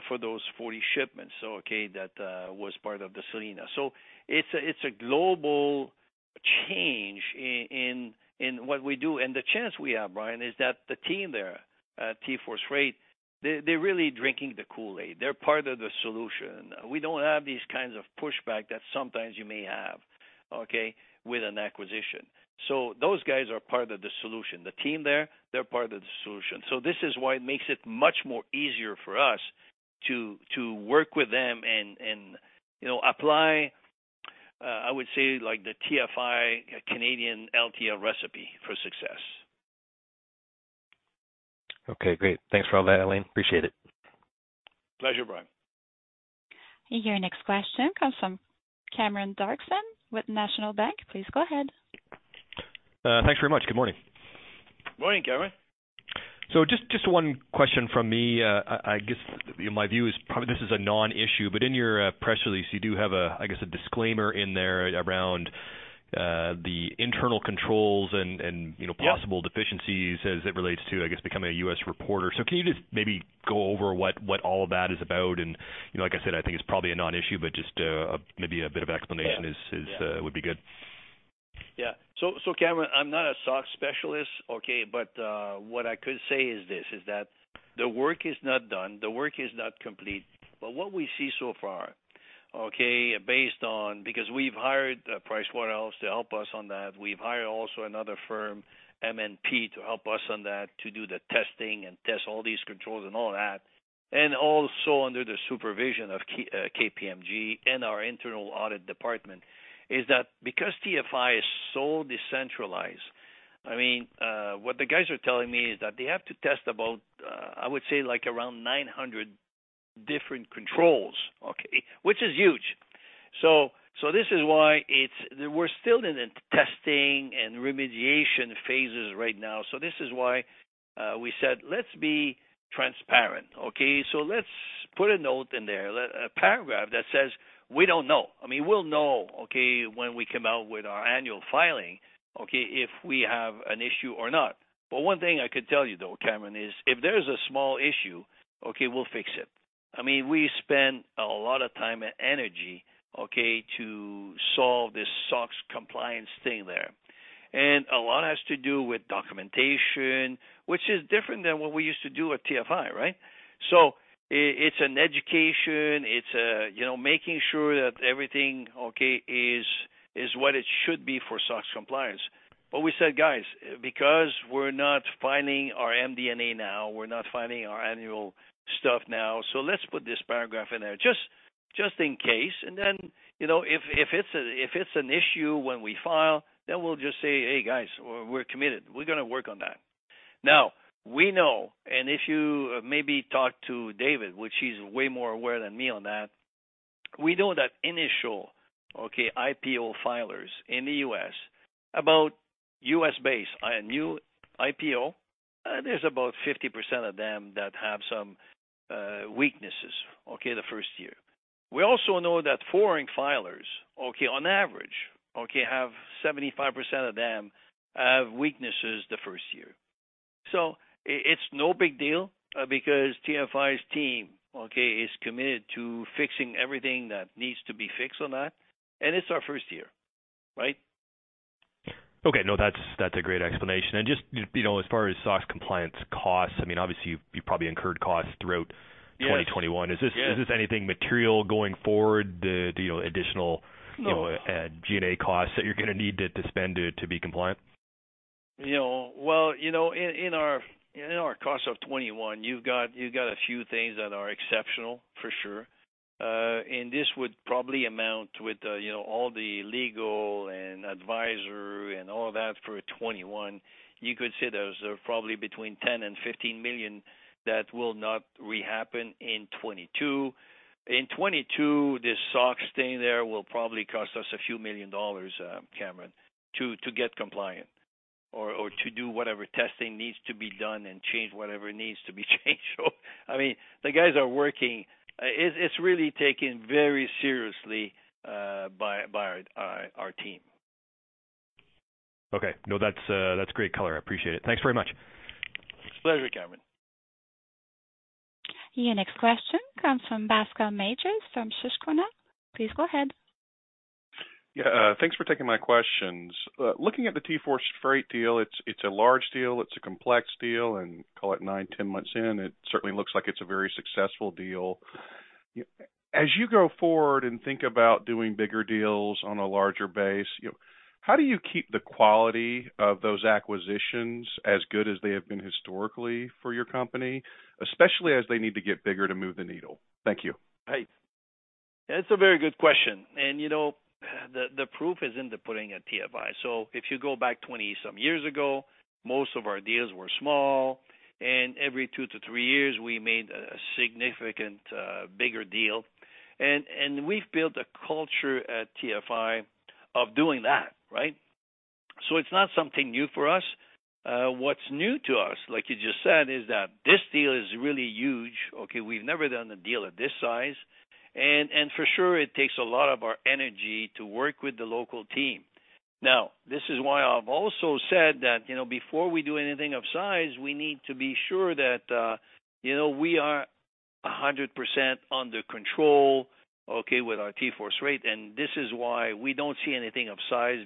for those 40 shipments, okay, that was part of the Salina. It's a global change in what we do. The chance we have, Brian, is that the team there at TForce Freight, they're really drinking the Kool-Aid. They're part of the solution. We don't have these kinds of pushback that sometimes you may have with an acquisition. Those guys are part of the solution. The team there, they're part of the solution. This is why it makes it much more easier for us to work with them and, you know, apply, I would say like the TFI Canadian LTL recipe for success. Okay, great. Thanks for all that, Alain. Appreciate it. Pleasure, Brian. Your next question comes from Cameron Doerksen with National Bank. Please go ahead. Thanks very much. Good morning. Morning, Cameron. Just one question from me. I guess my view is probably this is a non-issue, but in your press release, you do have a, I guess, a disclaimer in there around the internal controls and you know. Yeah. Possible deficiencies as it relates to, I guess, becoming a US reporter. Can you just maybe go over what all that is about? You know, like I said, I think it's probably a non-issue, but just maybe a bit of explanation is- Yeah. would be good. Cameron, I'm not a SOX specialist, okay, but what I could say is this, that the work is not done, the work is not complete. What we see so far, okay, based on, because we've hired PricewaterhouseCoopers to help us on that, we've hired also another firm, MNP, to help us on that, to do the testing and test all these controls and all that, and also under the supervision of KPMG and our internal audit department, is that because TFI is so decentralized. I mean, what the guys are telling me is that they have to test about, I would say like around 900 different controls, okay? Which is huge. This is why it's. We're still in the testing and remediation phases right now. This is why, we said, "Let's be transparent." Okay? Let's put a note in there, a paragraph that says, we don't know. I mean, we'll know, okay, when we come out with our annual filing, okay, if we have an issue or not. But one thing I could tell you, though, Cameron, is if there's a small issue, okay, we'll fix it. I mean, we spend a lot of time and energy, okay, to solve this SOX compliance thing there. And a lot has to do with documentation, which is different than what we used to do at TFI, right? It's an education. It's you know, making sure that everything, okay, is what it should be for SOX compliance. But we said, "Guys, because we're not filing our MD&A now, we're not filing our annual stuff now, so let's put this paragraph in there just in case. Then, you know, if it's an issue when we file, then we'll just say, "Hey, guys, we're committed. We're gonna work on that." We know, and if you maybe talk to David, which he's way more aware than me on that, we know that initial IPO filers in the U.S., about US based new IPO, there's about 50% of them that have some weaknesses, okay, the first year. We also know that foreign filers, okay, on average, okay, have 75% of them have weaknesses the first year. It's no big deal, because TFI's team, okay, is committed to fixing everything that needs to be fixed on that, and it's our first year, right? Okay. No, that's a great explanation. Just, you know, as far as SOX compliance costs, I mean, obviously you've probably incurred costs throughout- Yes. 2021. Yeah. Is this anything material going forward? The you know, additional- No. You know, G&A costs that you're gonna need to spend to be compliant? You know, in our costs of 2021, you've got a few things that are exceptional, for sure. This would probably amount with, you know, all the legal and advisory and all that for 2021. You could say those are probably between $10 million and $15 million that will not re-happen in 2022. In 2022, this SOX thing will probably cost us a few million dollars, Cameron, to get compliant or to do whatever testing needs to be done and change whatever needs to be changed. I mean, the guys are working. It is really taken very seriously by our team. Okay. No, that's great color. I appreciate it. Thanks very much. Pleasure, Cameron. Your next question comes from Bascom Majors from Susquehanna. Please go ahead. Yeah. Thanks for taking my questions. Looking at the TForce Freight deal, it's a large deal, it's a complex deal, and call it nine, 10 months in, it certainly looks like it's a very successful deal. As you go forward and think about doing bigger deals on a larger base, you know, how do you keep the quality of those acquisitions as good as they have been historically for your company, especially as they need to get bigger to move the needle? Thank you. Right. That's a very good question. You know, the proof is in the pudding at TFI. If you go back 20-some years ago, most of our deals were small, and every 2-3 years, we made a significant bigger deal. We've built a culture at TFI of doing that, right? It's not something new for us. What's new to us, like you just said, is that this deal is really huge. Okay, we've never done a deal of this size. For sure, it takes a lot of our energy to work with the local team. Now, this is why I've also said that, you know, before we do anything of size, we need to be sure that, you know, we are 100% under control, okay, with our TForce Freight, and this is why we don't see anything of size.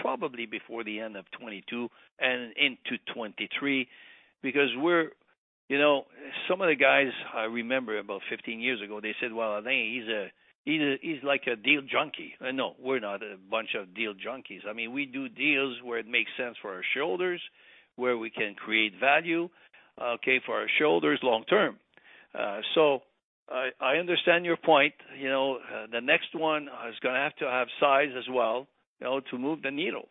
Probably before the end of 2022 and into 2023 because you know, some of the guys I remember about 15 years ago, they said, "Well, Alain, he's like a deal junkie." No, we're not a bunch of deal junkies. I mean, we do deals where it makes sense for our shareholders, where we can create value, okay, for our shareholders long term. I understand your point. You know, the next one is gonna have to have size as well, you know, to move the needle.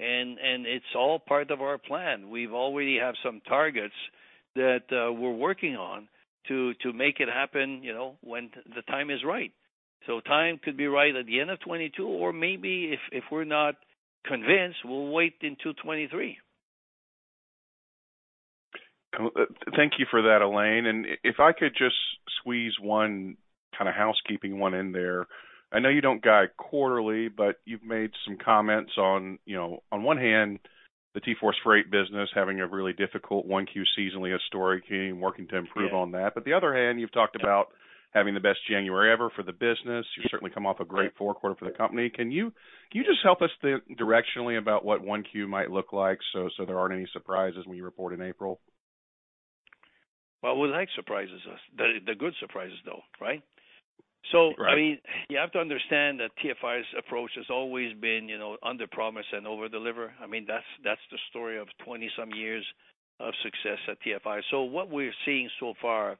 It's all part of our plan. We already have some targets that we're working on to make it happen, you know, when the time is right. Time could be right at the end of 2022, or maybe if we're not convinced, we'll wait until 2023. Thank you for that, Alain. If I could just squeeze one kinda housekeeping one in there. I know you don't guide quarterly, but you've made some comments on, you know, on one hand, the TForce Freight business having a really difficult 1Q seasonally historically and working to improve- Yeah. On that. On the other hand, you've talked about having the best January ever for the business. You've certainly come off a great fourth quarter for the company. Can you just help us then directionally about what 1Q might look like so there aren't any surprises when you report in April? Well, we like surprises, the good surprises, though, right? Right. I mean, you have to understand that TFI's approach has always been, you know, underpromise and overdeliver. I mean, that's the story of twenty-some years of success at TFI. What we're seeing so far,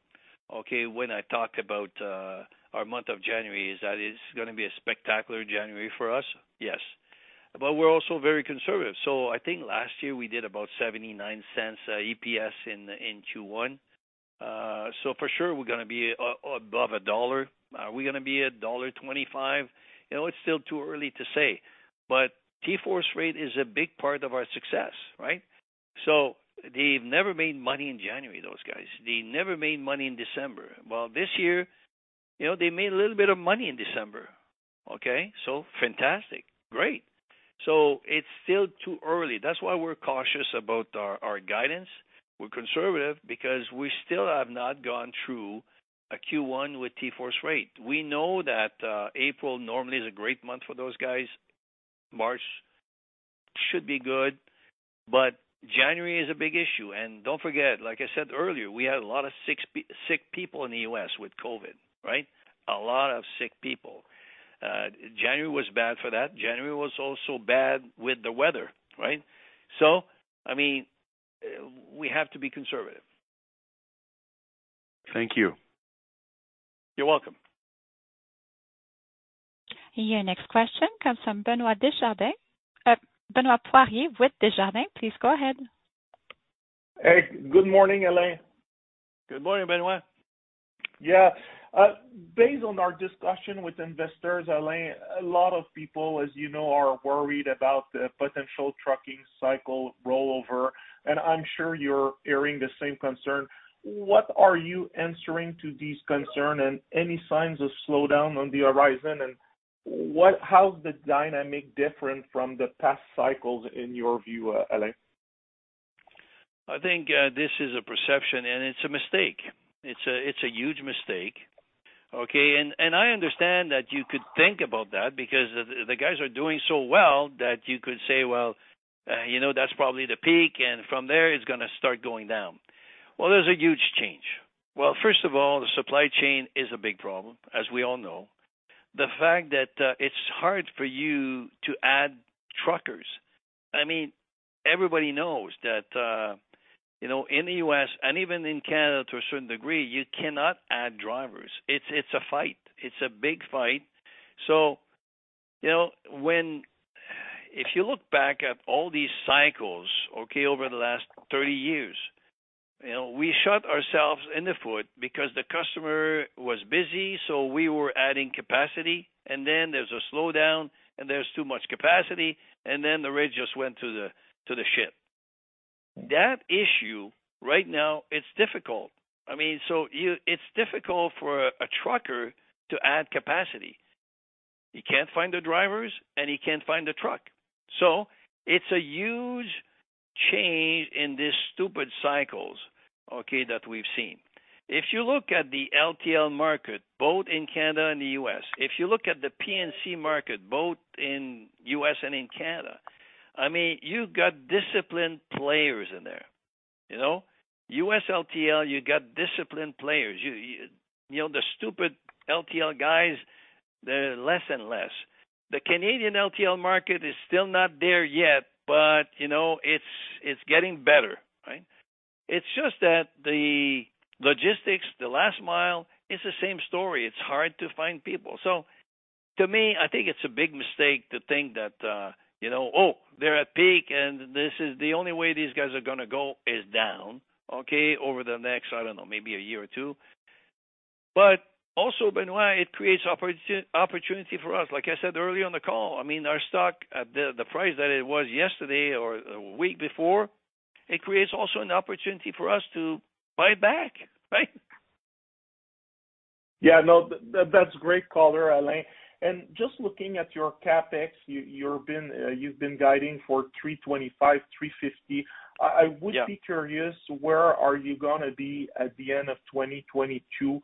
okay, when I talk about our month of January, is that it's gonna be a spectacular January for us, yes. But we're also very conservative. I think last year we did about $0.79 EPS in Q1. For sure we're gonna be above $1. Are we gonna be $1.25? You know, it's still too early to say. But TForce Freight is a big part of our success, right? They've never made money in January, those guys. They never made money in December. Well, this year, you know, they made a little bit of money in December, okay? Fantastic. Great. It's still too early. That's why we're cautious about our guidance. We're conservative because we still have not gone through a Q1 with TForce Freight. We know that April normally is a great month for those guys. March should be good, but January is a big issue. Don't forget, like I said earlier, we had a lot of sick people in the U.S. with COVID, right? A lot of sick people. January was bad for that. January was also bad with the weather, right? I mean, we have to be conservative. Thank you. You're welcome. Your next question comes from Benoit Poirier. Benoit Poirier with Desjardins, please go ahead. Hey, good morning, Alain. Good morning, Benoit. Yeah. Based on our discussion with investors, Alain, a lot of people, as you know, are worried about the potential trucking cycle rollover, and I'm sure you're hearing the same concern. What are you answering to these concerns, and any signs of slowdown on the horizon, and how's the dynamic different from the past cycles in your view, Alain? I think this is a perception, and it's a mistake. It's a huge mistake, okay? I understand that you could think about that because the guys are doing so well that you could say, "Well, you know, that's probably the peak, and from there, it's gonna start going down." Well, there's a huge change. Well, first of all, the supply chain is a big problem, as we all know. The fact that it's hard for you to add truckers. I mean, everybody knows that, you know, in the U.S. and even in Canada to a certain degree, you cannot add drivers. It's a fight. It's a big fight. So, you know, when...If you look back at all these cycles, okay, over the last 30 years, you know, we shot ourselves in the foot because the customer was busy, so we were adding capacity, and then there's a slowdown, and there's too much capacity, and then the rate just went to the shit. That issue right now, it's difficult. I mean, it's difficult for a trucker to add capacity. He can't find the drivers, and he can't find a truck. So it's a huge change in these stupid cycles, okay, that we've seen. If you look at the LTL market, both in Canada and the U.S., if you look at the P&C market, both in U.S. and in Canada, I mean, you've got disciplined players in there, you know. US LTL, you got disciplined players. You know, the stupid LTL guys, they're less and less. The Canadian LTL market is still not there yet, but, you know, it's getting better, right? It's just that the Logistics, the last mile, it's the same story. It's hard to find people. To me, I think it's a big mistake to think that, you know, oh, they're at peak and this is the only way these guys are gonna go is down, okay, over the next, I don't know, maybe a year or two. Also, Benoit, it creates opportunity for us. Like I said early on the call, I mean, our stock at the price that it was yesterday or a week before, it creates also an opportunity for us to buy back, right? Yeah. No, that's great color, Alain. Just looking at your CapEx, you've been guiding for $325-$350. Yeah. I would be curious, where are you gonna be at the end of 2022,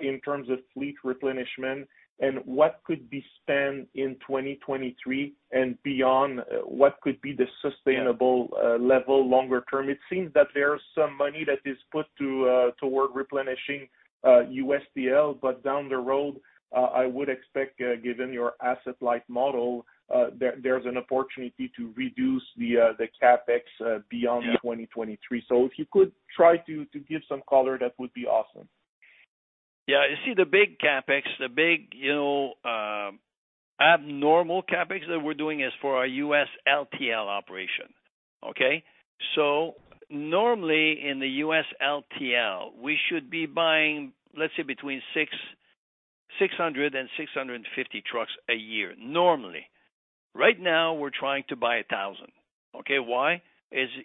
in terms of fleet replenishment and what could be spent in 2023 and beyond? What could be the sustainable- Yeah Level longer term? It seems that there's some money that is put toward replenishing US LTL. Down the road, I would expect, given your asset-light model, there's an opportunity to reduce the CapEx beyond 2023. If you could try to give some color, that would be awesome. You see the big CapEx, you know, abnormal CapEx that we're doing is for our US LTL operation. Okay? Normally, in the US LTL, we should be buying, let's say, between 600 and 650 trucks a year, normally. Right now, we're trying to buy 1,000. Okay, why?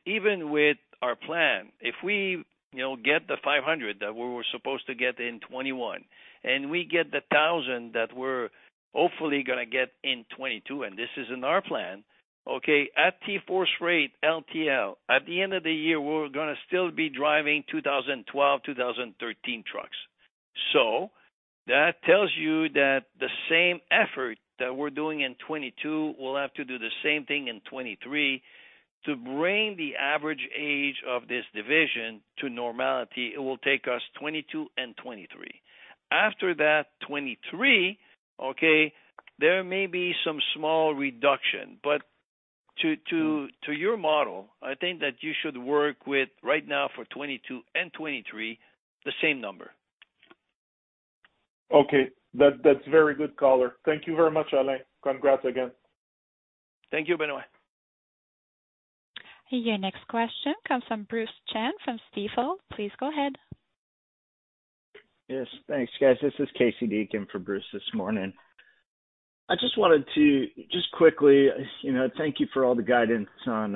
Even with our plan, if we, you know, get the 500 that we were supposed to get in 2021, and we get the 1,000 that we're hopefully gonna get in 2022, and this is in our plan, okay, at TForce Freight, LTL, at the end of the year, we're gonna still be driving 2012, 2013 trucks. That tells you that the same effort that we're doing in 2022, we'll have to do the same thing in 2023 to bring the average age of this division to normality, it will take us 2022 and 2023. After that 2023, okay, there may be some small reduction, but to your model, I think that you should work with right now for 2022 and 2023, the same number. Okay. That's very good color. Thank you very much, Alain. Congrats again. Thank you, Benoit. Your next question comes from Bruce Chan from Stifel. Please go ahead. Yes, thanks, guys. This is Casey Deak for Bruce this morning. I wanted to quickly, you know, thank you for all the guidance on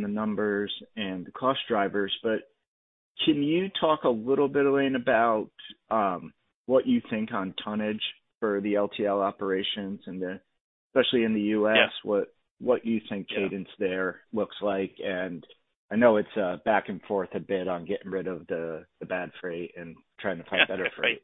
the numbers and the cost drivers, but can you talk a little bit, Alain, about what you think on tonnage for the LTL operations and especially in the U.S.- Yeah. -what, what you think- Yeah. The cadence there looks like. I know it's back and forth a bit on getting rid of the bad freight and trying to find better freight.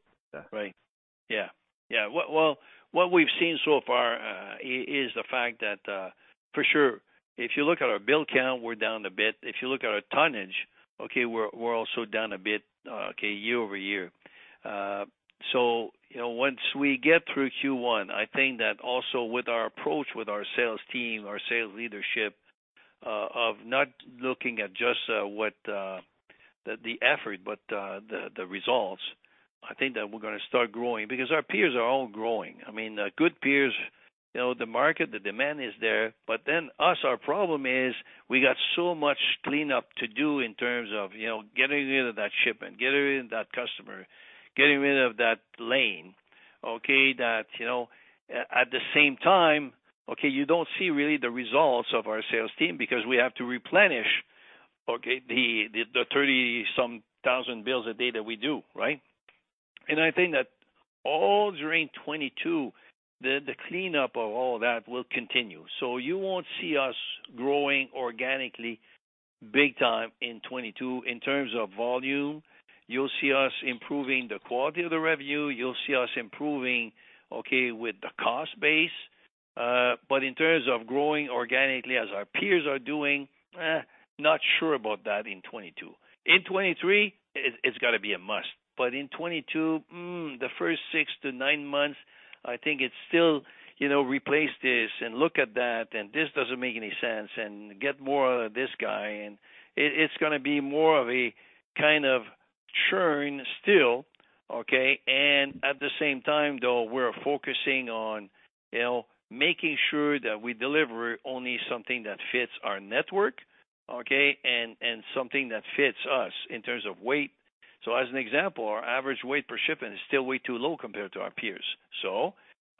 Well, what we've seen so far is the fact that, for sure, if you look at our bill count, we're down a bit. If you look at our tonnage, we're also down a bit year over year. You know, once we get through Q1, I think that also with our approach with our sales team, our sales leadership, of not looking at just the effort but the results, I think that we're gonna start growing because our peers are all growing. I mean, good peers, you know, the market, the demand is there, but us, our problem is we got so much cleanup to do in terms of you know, getting rid of that shipment, getting rid of that customer, getting rid of that lane, that you know. At the same time, you don't see really the results of our sales team because we have to replenish the 30-some thousand bills a day that we do, right? I think that all during 2022, the cleanup of all that will continue. You won't see us growing organically big time in 2022. In terms of volume, you'll see us improving the quality of the revenue. You'll see us improving with the cost base. In terms of growing organically as our peers are doing, not sure about that in 2022. In 2023, it's gotta be a must.In 2022, the first 6-9 months, I think it's still, you know, replace this and look at that, and this doesn't make any sense, and get more of this guy, and it's gonna be more of a kind of churn still. Okay. At the same time, though, we're focusing on, you know, making sure that we deliver only something that fits our network, okay, and something that fits us in terms of weight. So as an example, our average weight per shipment is still way too low compared to our peers. So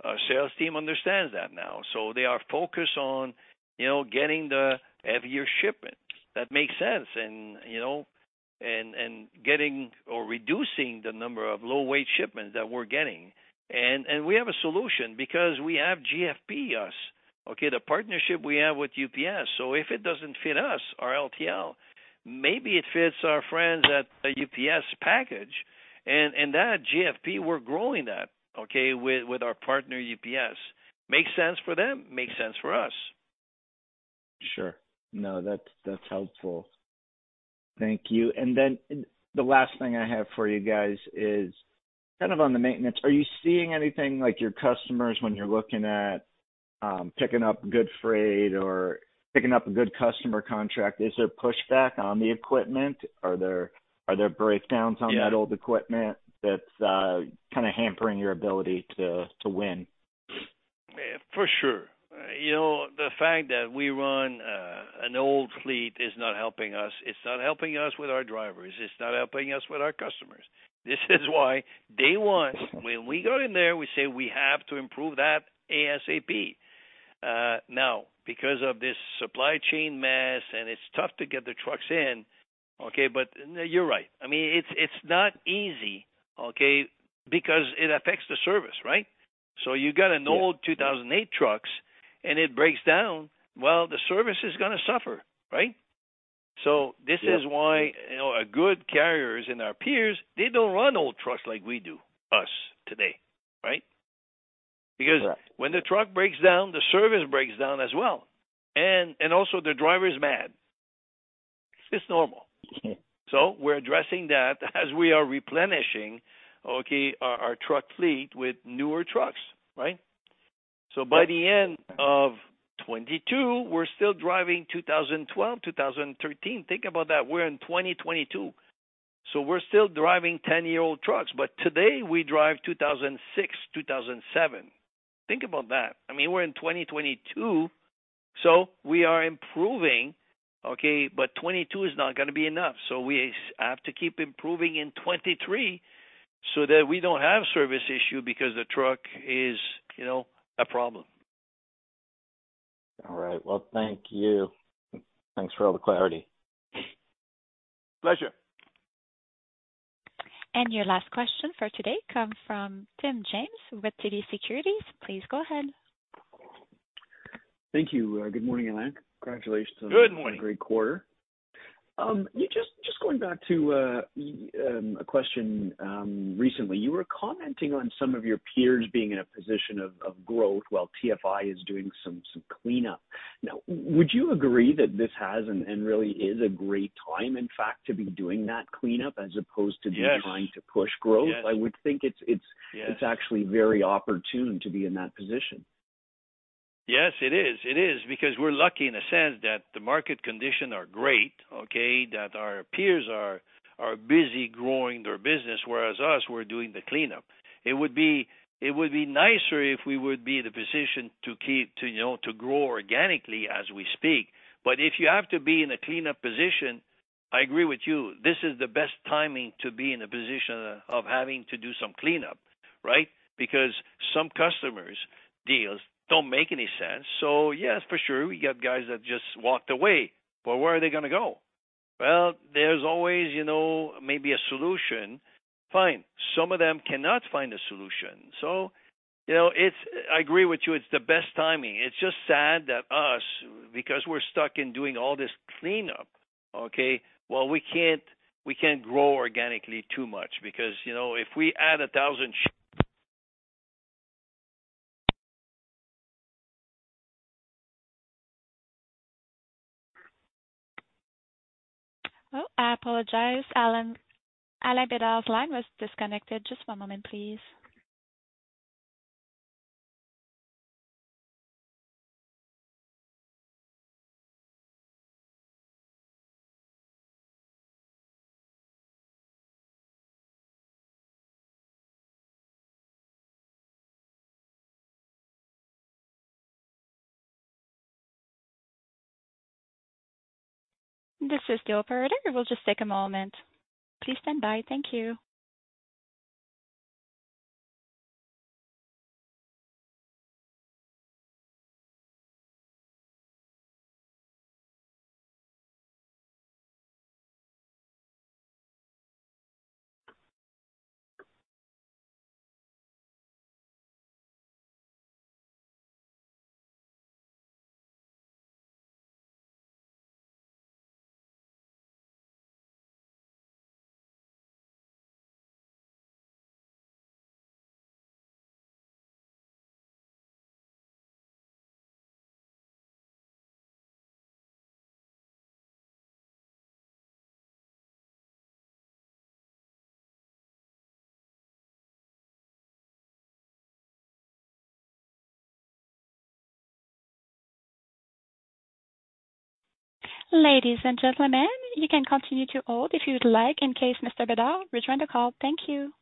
our sales team understands that now, so they are focused on, you know, getting the heavier shipments. That makes sense and, you know, getting or reducing the number of low-weight shipments that we're getting. We have a solution because we have GFP, us. Okay. The partnership we have with UPS. If it doesn't fit us or LTL, maybe it fits our friends at the UPS package. That GFP, we're growing that, okay, with our partner UPS. Makes sense for them, makes sense for us. Sure. No, that's helpful. Thank you. The last thing I have for you guys is kind of on the maintenance. Are you seeing anything like your customers when you're looking at picking up good freight or picking up a good customer contract? Is there pushback on the equipment? Are there breakdowns on that old equipment that's kinda hampering your ability to win? For sure. You know, the fact that we run an old fleet is not helping us. It's not helping us with our drivers. It's not helping us with our customers. This is why day one, when we go in there, we say we have to improve that ASAP. Now because of this supply chain mess and it's tough to get the trucks in. Okay. You're right. I mean, it's not easy, okay? Because it affects the service, right? You got an old 2008 trucks and it breaks down, well, the service is gonna suffer, right? This is why, you know, a good carriers and our peers, they don't run old trucks like we do, us today, right? Because when the truck breaks down, the service breaks down as well. And also the driver is mad. It's normal. We're addressing that as we are replenishing, okay, our truck fleet with newer trucks, right? By the end of 2022, we're still driving 2012, 2013. Think about that, we're in 2022, so we're still driving ten-year-old trucks. Today we drive 2006, 2007. Think about that. I mean, we're in 2022, so we are improving. Okay, 2022 is not gonna be enough. We have to keep improving in 2023 so that we don't have service issue because the truck is, you know, a problem. All right. Well, thank you. Thanks for all the clarity. Pleasure. Your last question for today comes from Tim James with TD Securities. Please go ahead. Thank you. Good morning, Alain. Congratulations on- Good morning. A great quarter. Just going back to a question recently, you were commenting on some of your peers being in a position of growth while TFI is doing some cleanup. Now, would you agree that this has and really is a great time, in fact, to be doing that cleanup as opposed to? Yes. be trying to push growth? Yes. I would think it's. Yes. It's actually very opportune to be in that position. Yes, it is. Because we're lucky in a sense that the market condition are great, okay? That our peers are busy growing their business, whereas us we're doing the cleanup. It would be nicer if we would be in a position to, you know, to grow organically as we speak. If you have to be in a cleanup position, I agree with you, this is the best timing to be in a position of having to do some cleanup, right? Because some customers' deals don't make any sense. Yes, for sure we got guys that just walked away. Where are they gonna go? Well, there's always, you know, maybe a solution. Fine. Some of them cannot find a solution. You know, I agree with you. It's the best timing. It's just sad that us, because we're stuck in doing all this cleanup. Okay, well, we can't grow organically too much because, you know, if we add a thousand sh- Oh, I apologize. Alain Bédard's line was disconnected. Just one moment, please. This is the operator. We'll just take a moment. Please stand by. Thank you. Ladies and gentlemen, you can continue to hold if you'd like in case Mr. Bédard rejoin the call. Thank you.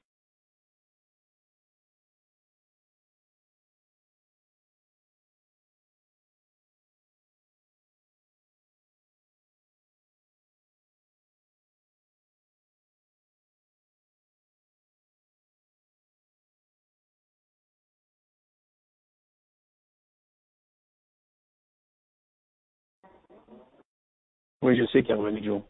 Mr.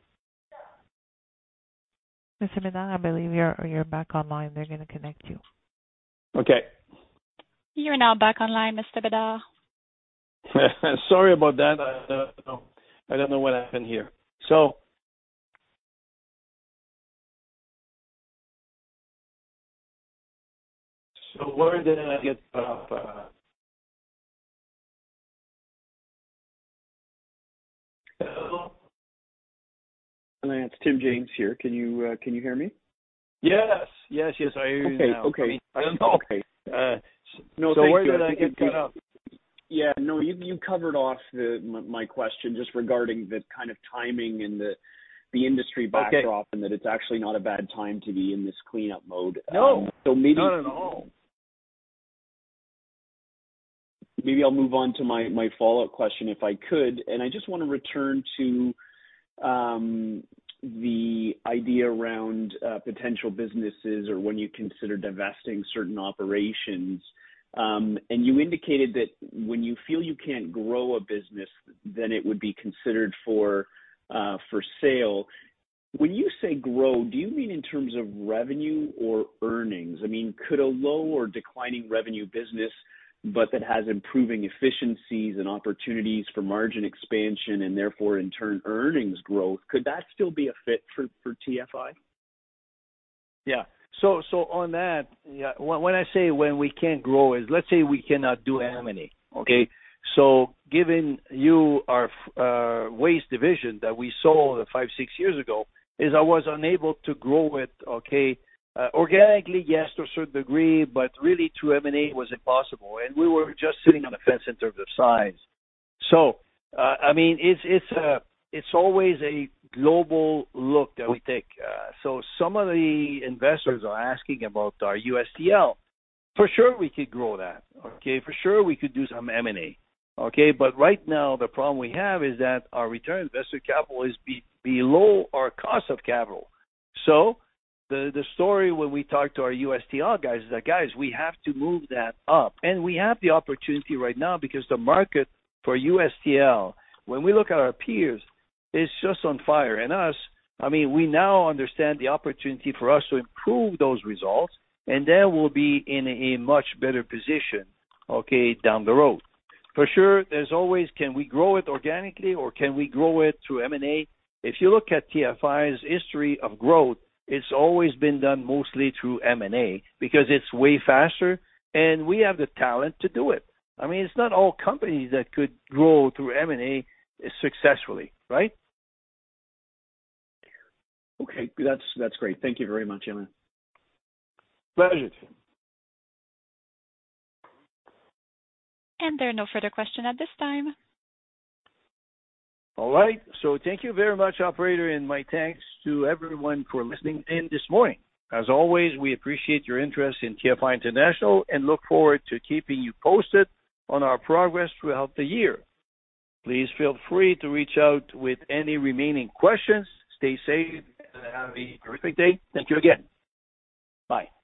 Bédard, I believe you're back online. They're gonna connect you. Okay. You're now back online, Mr. Bédard. Sorry about that. I don't know what happened here. Where did I get cut off? Hello? Alain, it's Tim James here. Can you hear me? Yes. Yes. Yes, I hear you now. Okay. Okay. Where did I get cut off? Yeah. No, you covered off my question just regarding the kind of timing and the industry backdrop. Okay. that it's actually not a bad time to be in this Cleanup Mode. No. Maybe- Not at all. Maybe I'll move on to my follow-up question, if I could. I just wanna return to the idea around potential businesses or when you consider divesting certain operations, and you indicated that when you feel you can't grow a business, then it would be considered for sale. When you say grow, do you mean in terms of revenue or earnings? I mean, could a low or declining revenue business, but that has improving efficiencies and opportunities for margin expansion and therefore in turn, earnings growth, could that still be a fit for TFI? On that, when I say when we can't grow, let's say we cannot do M&A, okay? Given our waste division that we sold five or six years ago, I was unable to grow it, okay, organically, yes, to a certain degree, but really through M&A was impossible, and we were just sitting on the fence in terms of size. I mean, it's always a global look that we take. Some of the investors are asking about our USTL. For sure we could grow that, okay? For sure, we could do some M&A, okay? Right now the problem we have is that our return on invested capital is below our cost of capital. The story when we talk to our US LTL guys is that, "Guys, we have to move that up." We have the opportunity right now because the market for US LTL, when we look at our peers, is just on fire. Us, I mean, we now understand the opportunity for us to improve those results, and then we'll be in a much better position, okay, down the road. For sure, there's always, can we grow it organically or can we grow it through M&A? If you look at TFI's history of growth, it's always been done mostly through M&A because it's way faster, and we have the talent to do it. I mean, it's not all companies that could grow through M&A successfully, right? Okay. That's great. Thank you very much, Alain. Pleasure. There are no further questions at this time. All right. Thank you very much, operator, and my thanks to everyone for listening in this morning. As always, we appreciate your interest in TFI International and look forward to keeping you posted on our progress throughout the year. Please feel free to reach out with any remaining questions. Stay safe and have a terrific day. Thank you again. Bye.